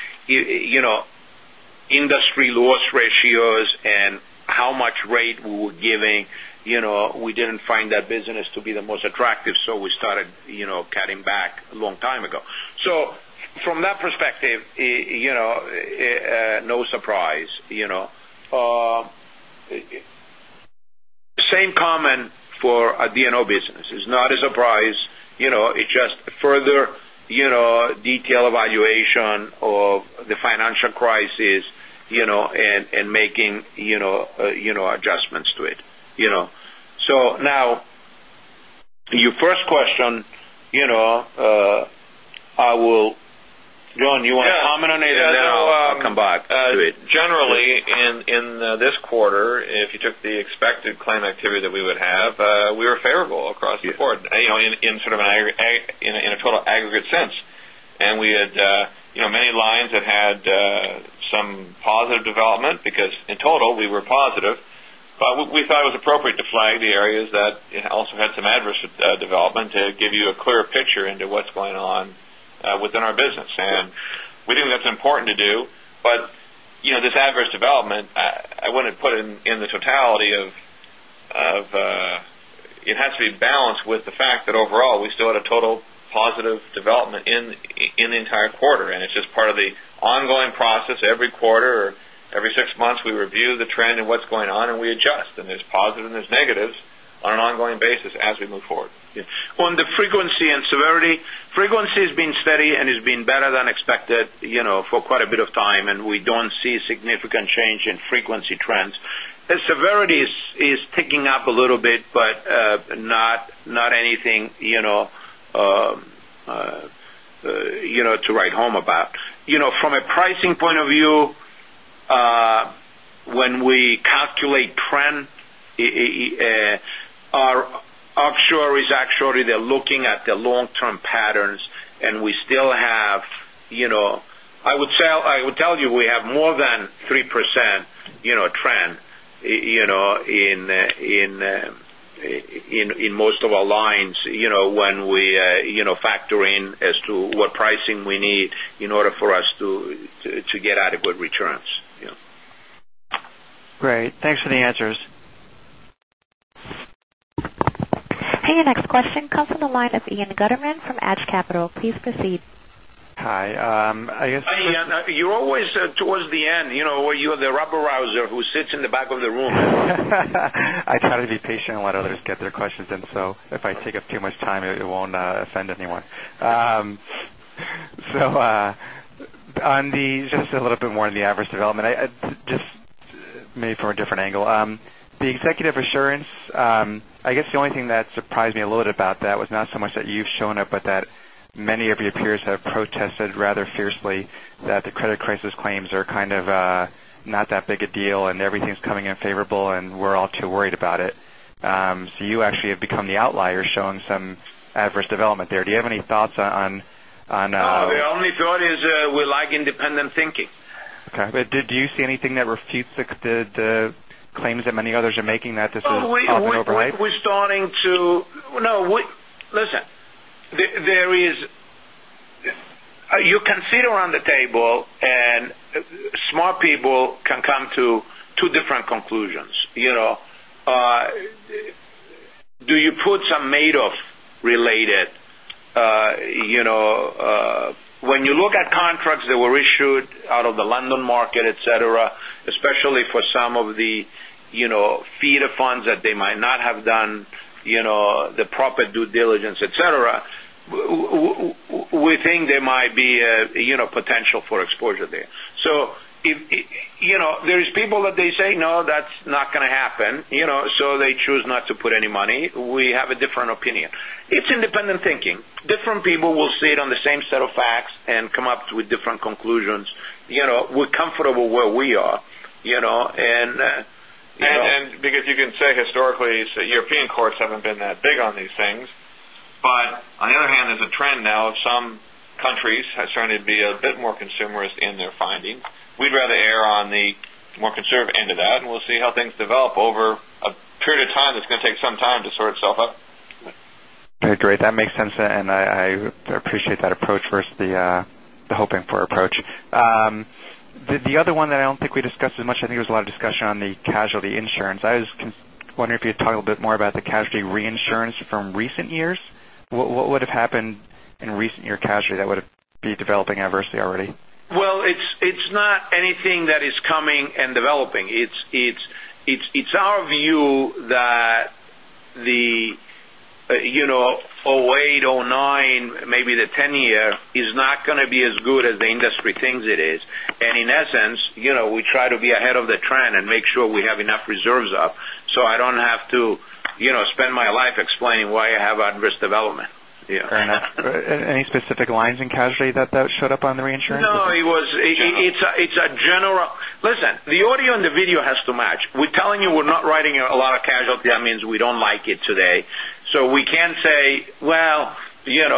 industry loss ratios and how much rate we were giving, we didn't find that business to be the most attractive. From that perspective, no surprise. Same comment for our D&O business. It's not a surprise. It's just further detail evaluation of the financial crisis and making adjustments to it. Now, your first question, I will John, do you want to comment on it, I'll come back to it. Generally, in this quarter, if you took the expected claim activity that we would have, we were favorable across the board in sort of a total aggregate sense. We had some positive development because in total we were positive, but we thought it was appropriate to flag the areas that also had some adverse development to give you a clearer picture into what's going on within our business. We think that's important to do. This adverse development, it has to be balanced with the fact that overall, we still had a total positive development in the entire quarter, and it's just part of the ongoing process. Every quarter or every six months, we review the trend and what's going on, and we adjust. There's positive and there's negatives on an ongoing basis as we move forward. Yeah. On the frequency and severity, frequency has been steady and has been better than expected for quite a bit of time, we don't see significant change in frequency trends. The severity is ticking up a little bit, but not anything to write home about. From a pricing point of view, when we calculate trend, our actuaries actually, they're looking at the long-term patterns, we still have, I would tell you we have more than 3% trend in most of our lines when we factor in as to what pricing we need in order for us to get adequate returns. Yeah. Great. Thanks for the answers. Hey. Your next question comes from the line of Ian Gutterman from Adage Capital. Please proceed. Hi. Hi, Ian. You're always towards the end. You're the rabble-rouser who sits in the back of the room. I try to be patient and let others get their questions in, so if I take up too much time, it won't offend anyone. Just a little bit more on the adverse development. Just maybe from a different angle. The executive assurance, I guess the only thing that surprised me a little bit about that was not so much that you've shown it, but that many of your peers have protested rather fiercely that the credit crisis claims are kind of not that big a deal, and everything's coming in favorable, and we're all too worried about it. You actually have become the outlier, showing some adverse development there. Do you have any thoughts? The only thought is we like independent thinking. Okay. Do you see anything that refutes the claims that many others are making that this is all blown over by? Listen. You can sit around the table, and smart people can come to two different conclusions. Do you put some Madoff related? When you look at contracts that were issued out of the London Market, et cetera, especially for some of the feeder funds that they might not have done the proper due diligence, et cetera, we think there might be potential for exposure there. There is people that they say, "No, that's not going to happen." They choose not to put any money. We have a different opinion. It's independent thinking. Different people will sit on the same set of facts and come up with different conclusions. We're comfortable where we are. Because you can say historically, European courts haven't been that big on these things. On the other hand, there's a trend now of some countries starting to be a bit more consumerist in their findings. We'd rather err on the more conservative end of that, and we'll see how things develop over a period of time. That's going to take some time to sort itself out. Okay, great. That makes sense. I appreciate that approach versus the hoping for approach. The other one that I don't think we discussed as much, I think there was a lot of discussion on the casualty insurance. I was wondering if you could talk a little bit more about the casualty reinsurance from recent years. What would have happened in recent year casualty that would be developing adversely already? Well, it's not anything that is coming and developing. It's our view that the 2008, 2009, maybe the 2010 year is not going to be as good as the industry thinks it is. In essence, we try to be ahead of the trend and make sure we have enough reserves up, so I don't have to spend my life explaining why I have adverse development. Fair enough. Any specific lines in casualty that showed up on the reinsurance? No. General. Listen, the audio and the video has to match. We're telling you we're not writing a lot of casualty. That means we don't like it today. We can't say, "Well, we're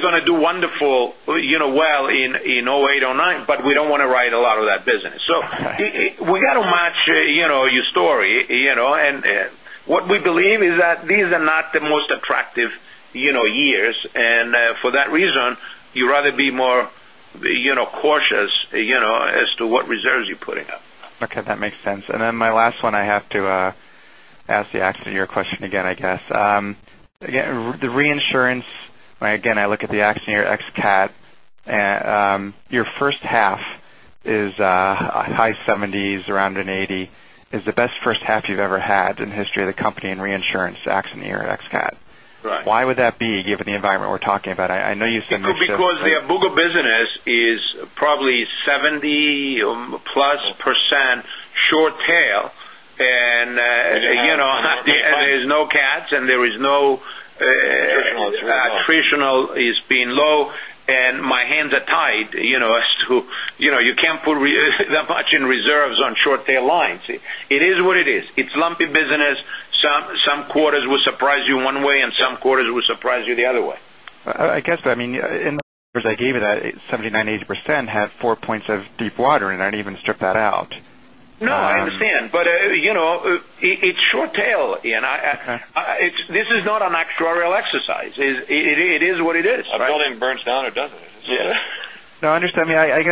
going to do wonderful well in 2008, 2009," but we don't want to write a lot of that business. We got to match your story. What we believe is that these are not the most attractive years, and for that reason, you'd rather be more cautious as to what reserves you're putting up. Okay. That makes sense. Then my last one, I have to ask the accident year question again I guess. Again, the reinsurance, I look at the accident year ex cat. Your first half is high 70s, around an 80. It's the best first half you've ever had in the history of the company in reinsurance, the accident year ex cat. Right. Why would that be, given the environment we're talking about? I know you said most of- The Abuga business is probably 70%-plus short tail, and there is no cats and there is no- Traditional is low. Traditional is being low, and my hands are tied as to you can't put that much in reserves on short tail lines. It is what it is. It's lumpy business. Some quarters will surprise you one way, and some quarters will surprise you the other way. I guess, in the numbers I gave you, that 79%-80% had four points of Deepwater, and I didn't even strip that out. No, I understand, it's short tail, Ian. Okay. This is not an actuarial exercise. It is what it is. A building burns down or it doesn't. Yeah. No, I understand. I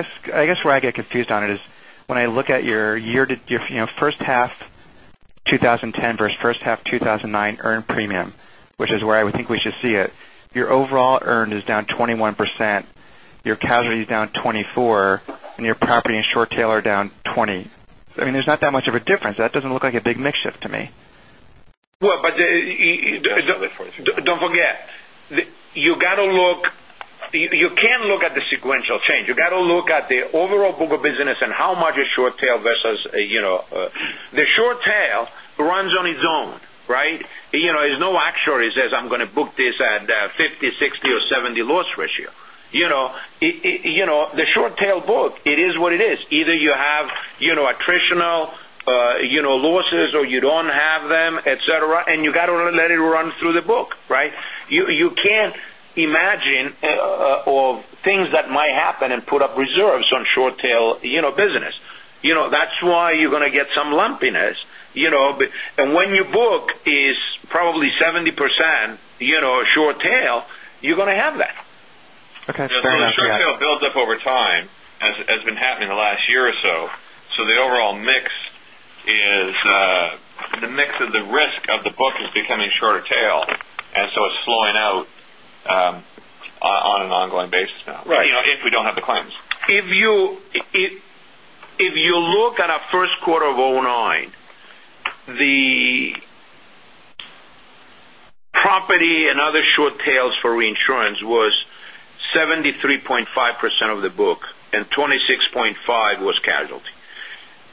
guess where I get confused on it is when I look at your first half 2010 versus first half 2009 earned premium, which is where I would think we should see it. Your overall earned is down 21%, your casualty is down 24%, and your property and short tail are down 20%. There's not that much of a difference. That doesn't look like a big mix shift to me. Don't forget. You can't look at the sequential change. You got to look at the overall book of business and how much is short tail versus. The short tail runs on its own. There's no actuary says, "I'm going to book this at 50, 60, or 70 loss ratio." The short tail book, it is what it is. Either you have attritional losses or you don't have them, et cetera, and you got to let it run through the book. You can't imagine of things that might happen and put up reserves on short tail business. That's why you're going to get some lumpiness. When your book is probably 70% short tail, you're going to have that. Okay, fair enough. The short tail builds up over time, as has been happening the last year or so. The mix of the risk of the book is becoming shorter tail, and so it's slowing out on an ongoing basis now. Right. If we don't have the claims. If you look at our first quarter of 2009, the property and other short tails for reinsurance was 73.5% of the book, and 26.5% was casualty.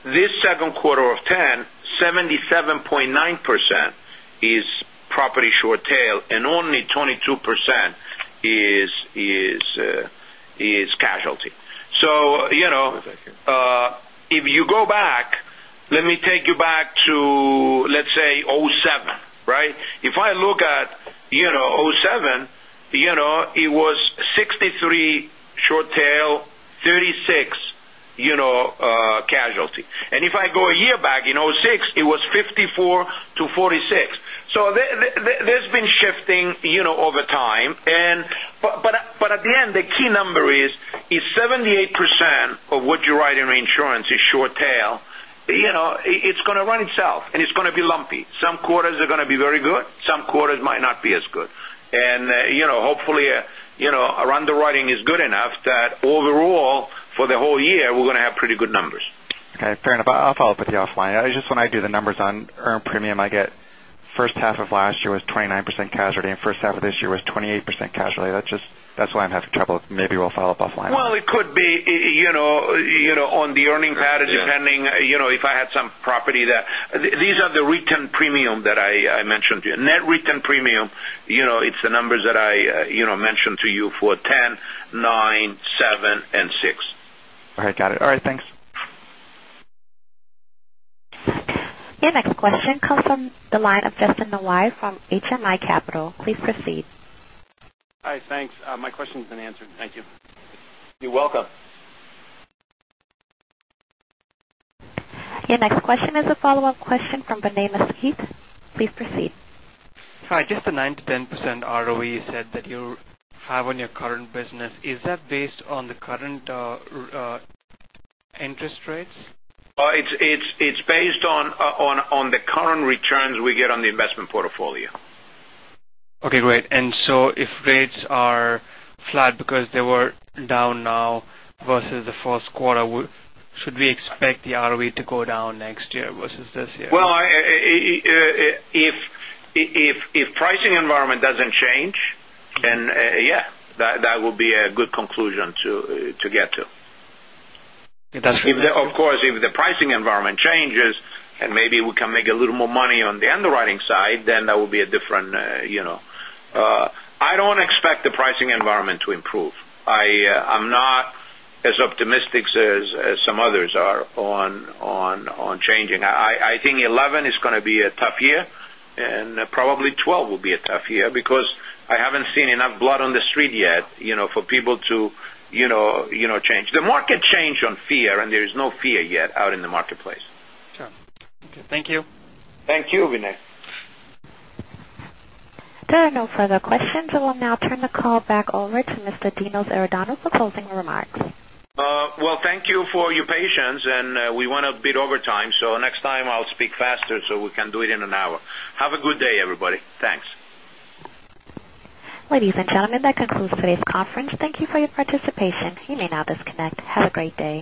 This second quarter of 2010, 77.9% is property short tail and only 22% is casualty. If you go back, let me take you back to, let's say, 2007. If I look at 2007, it was 63% short tail, 36% casualty. If I go a year back, in 2006, it was 54% to 46%. There's been shifting over time. At the end, the key number is, if 78% of what you write in reinsurance is short tail, it's going to run itself, and it's going to be lumpy. Some quarters are going to be very good, some quarters might not be as good. Hopefully, our underwriting is good enough that overall, for the whole year, we're going to have pretty good numbers. Okay, fair enough. I'll follow up with you offline. Just when I do the numbers on earned premium, I get first half of last year was 29% casualty, and first half of this year was 28% casualty. That's why I'm having trouble. Maybe we'll follow up offline. Well, it could be on the earning pattern, depending if I had some property that These are the written premium that I mentioned to you. Net written premium, it's the numbers that I mentioned to you for 2010, 2009, 2007, and 2006. All right, got it. All right, thanks. Your next question comes from the line of Justin Nawahi from HMI Capital. Please proceed. Hi, thanks. My question's been answered. Thank you. You're welcome. Your next question is a follow-up question from Vinay Misquith. Please proceed. Hi. Just the 9%-10% ROE you said that you have on your current business, is that based on the current interest rates? It's based on the current returns we get on the investment portfolio. Okay, great. If rates are flat because they were down now versus the first quarter, should we expect the ROE to go down next year versus this year? Well, if pricing environment doesn't change, yeah, that would be a good conclusion to get to. It doesn't- Of course, if the pricing environment changes and maybe we can make a little more money on the underwriting side, that will be different. I don't expect the pricing environment to improve. I'm not as optimistic as some others are on changing. I think 2011 is going to be a tough year, and probably 2012 will be a tough year because I haven't seen enough blood on the street yet for people to change. The market change on fear, and there is no fear yet out in the marketplace. Sure. Okay. Thank you. Thank you, Vinay. There are no further questions. I will now turn the call back over to Mr. Constantine Iordanou for closing remarks. Well, thank you for your patience, and we went a bit over time. Next time I'll speak faster so we can do it in an hour. Have a good day, everybody. Thanks. Ladies and gentlemen, that concludes today's conference. Thank you for your participation. You may now disconnect. Have a great day.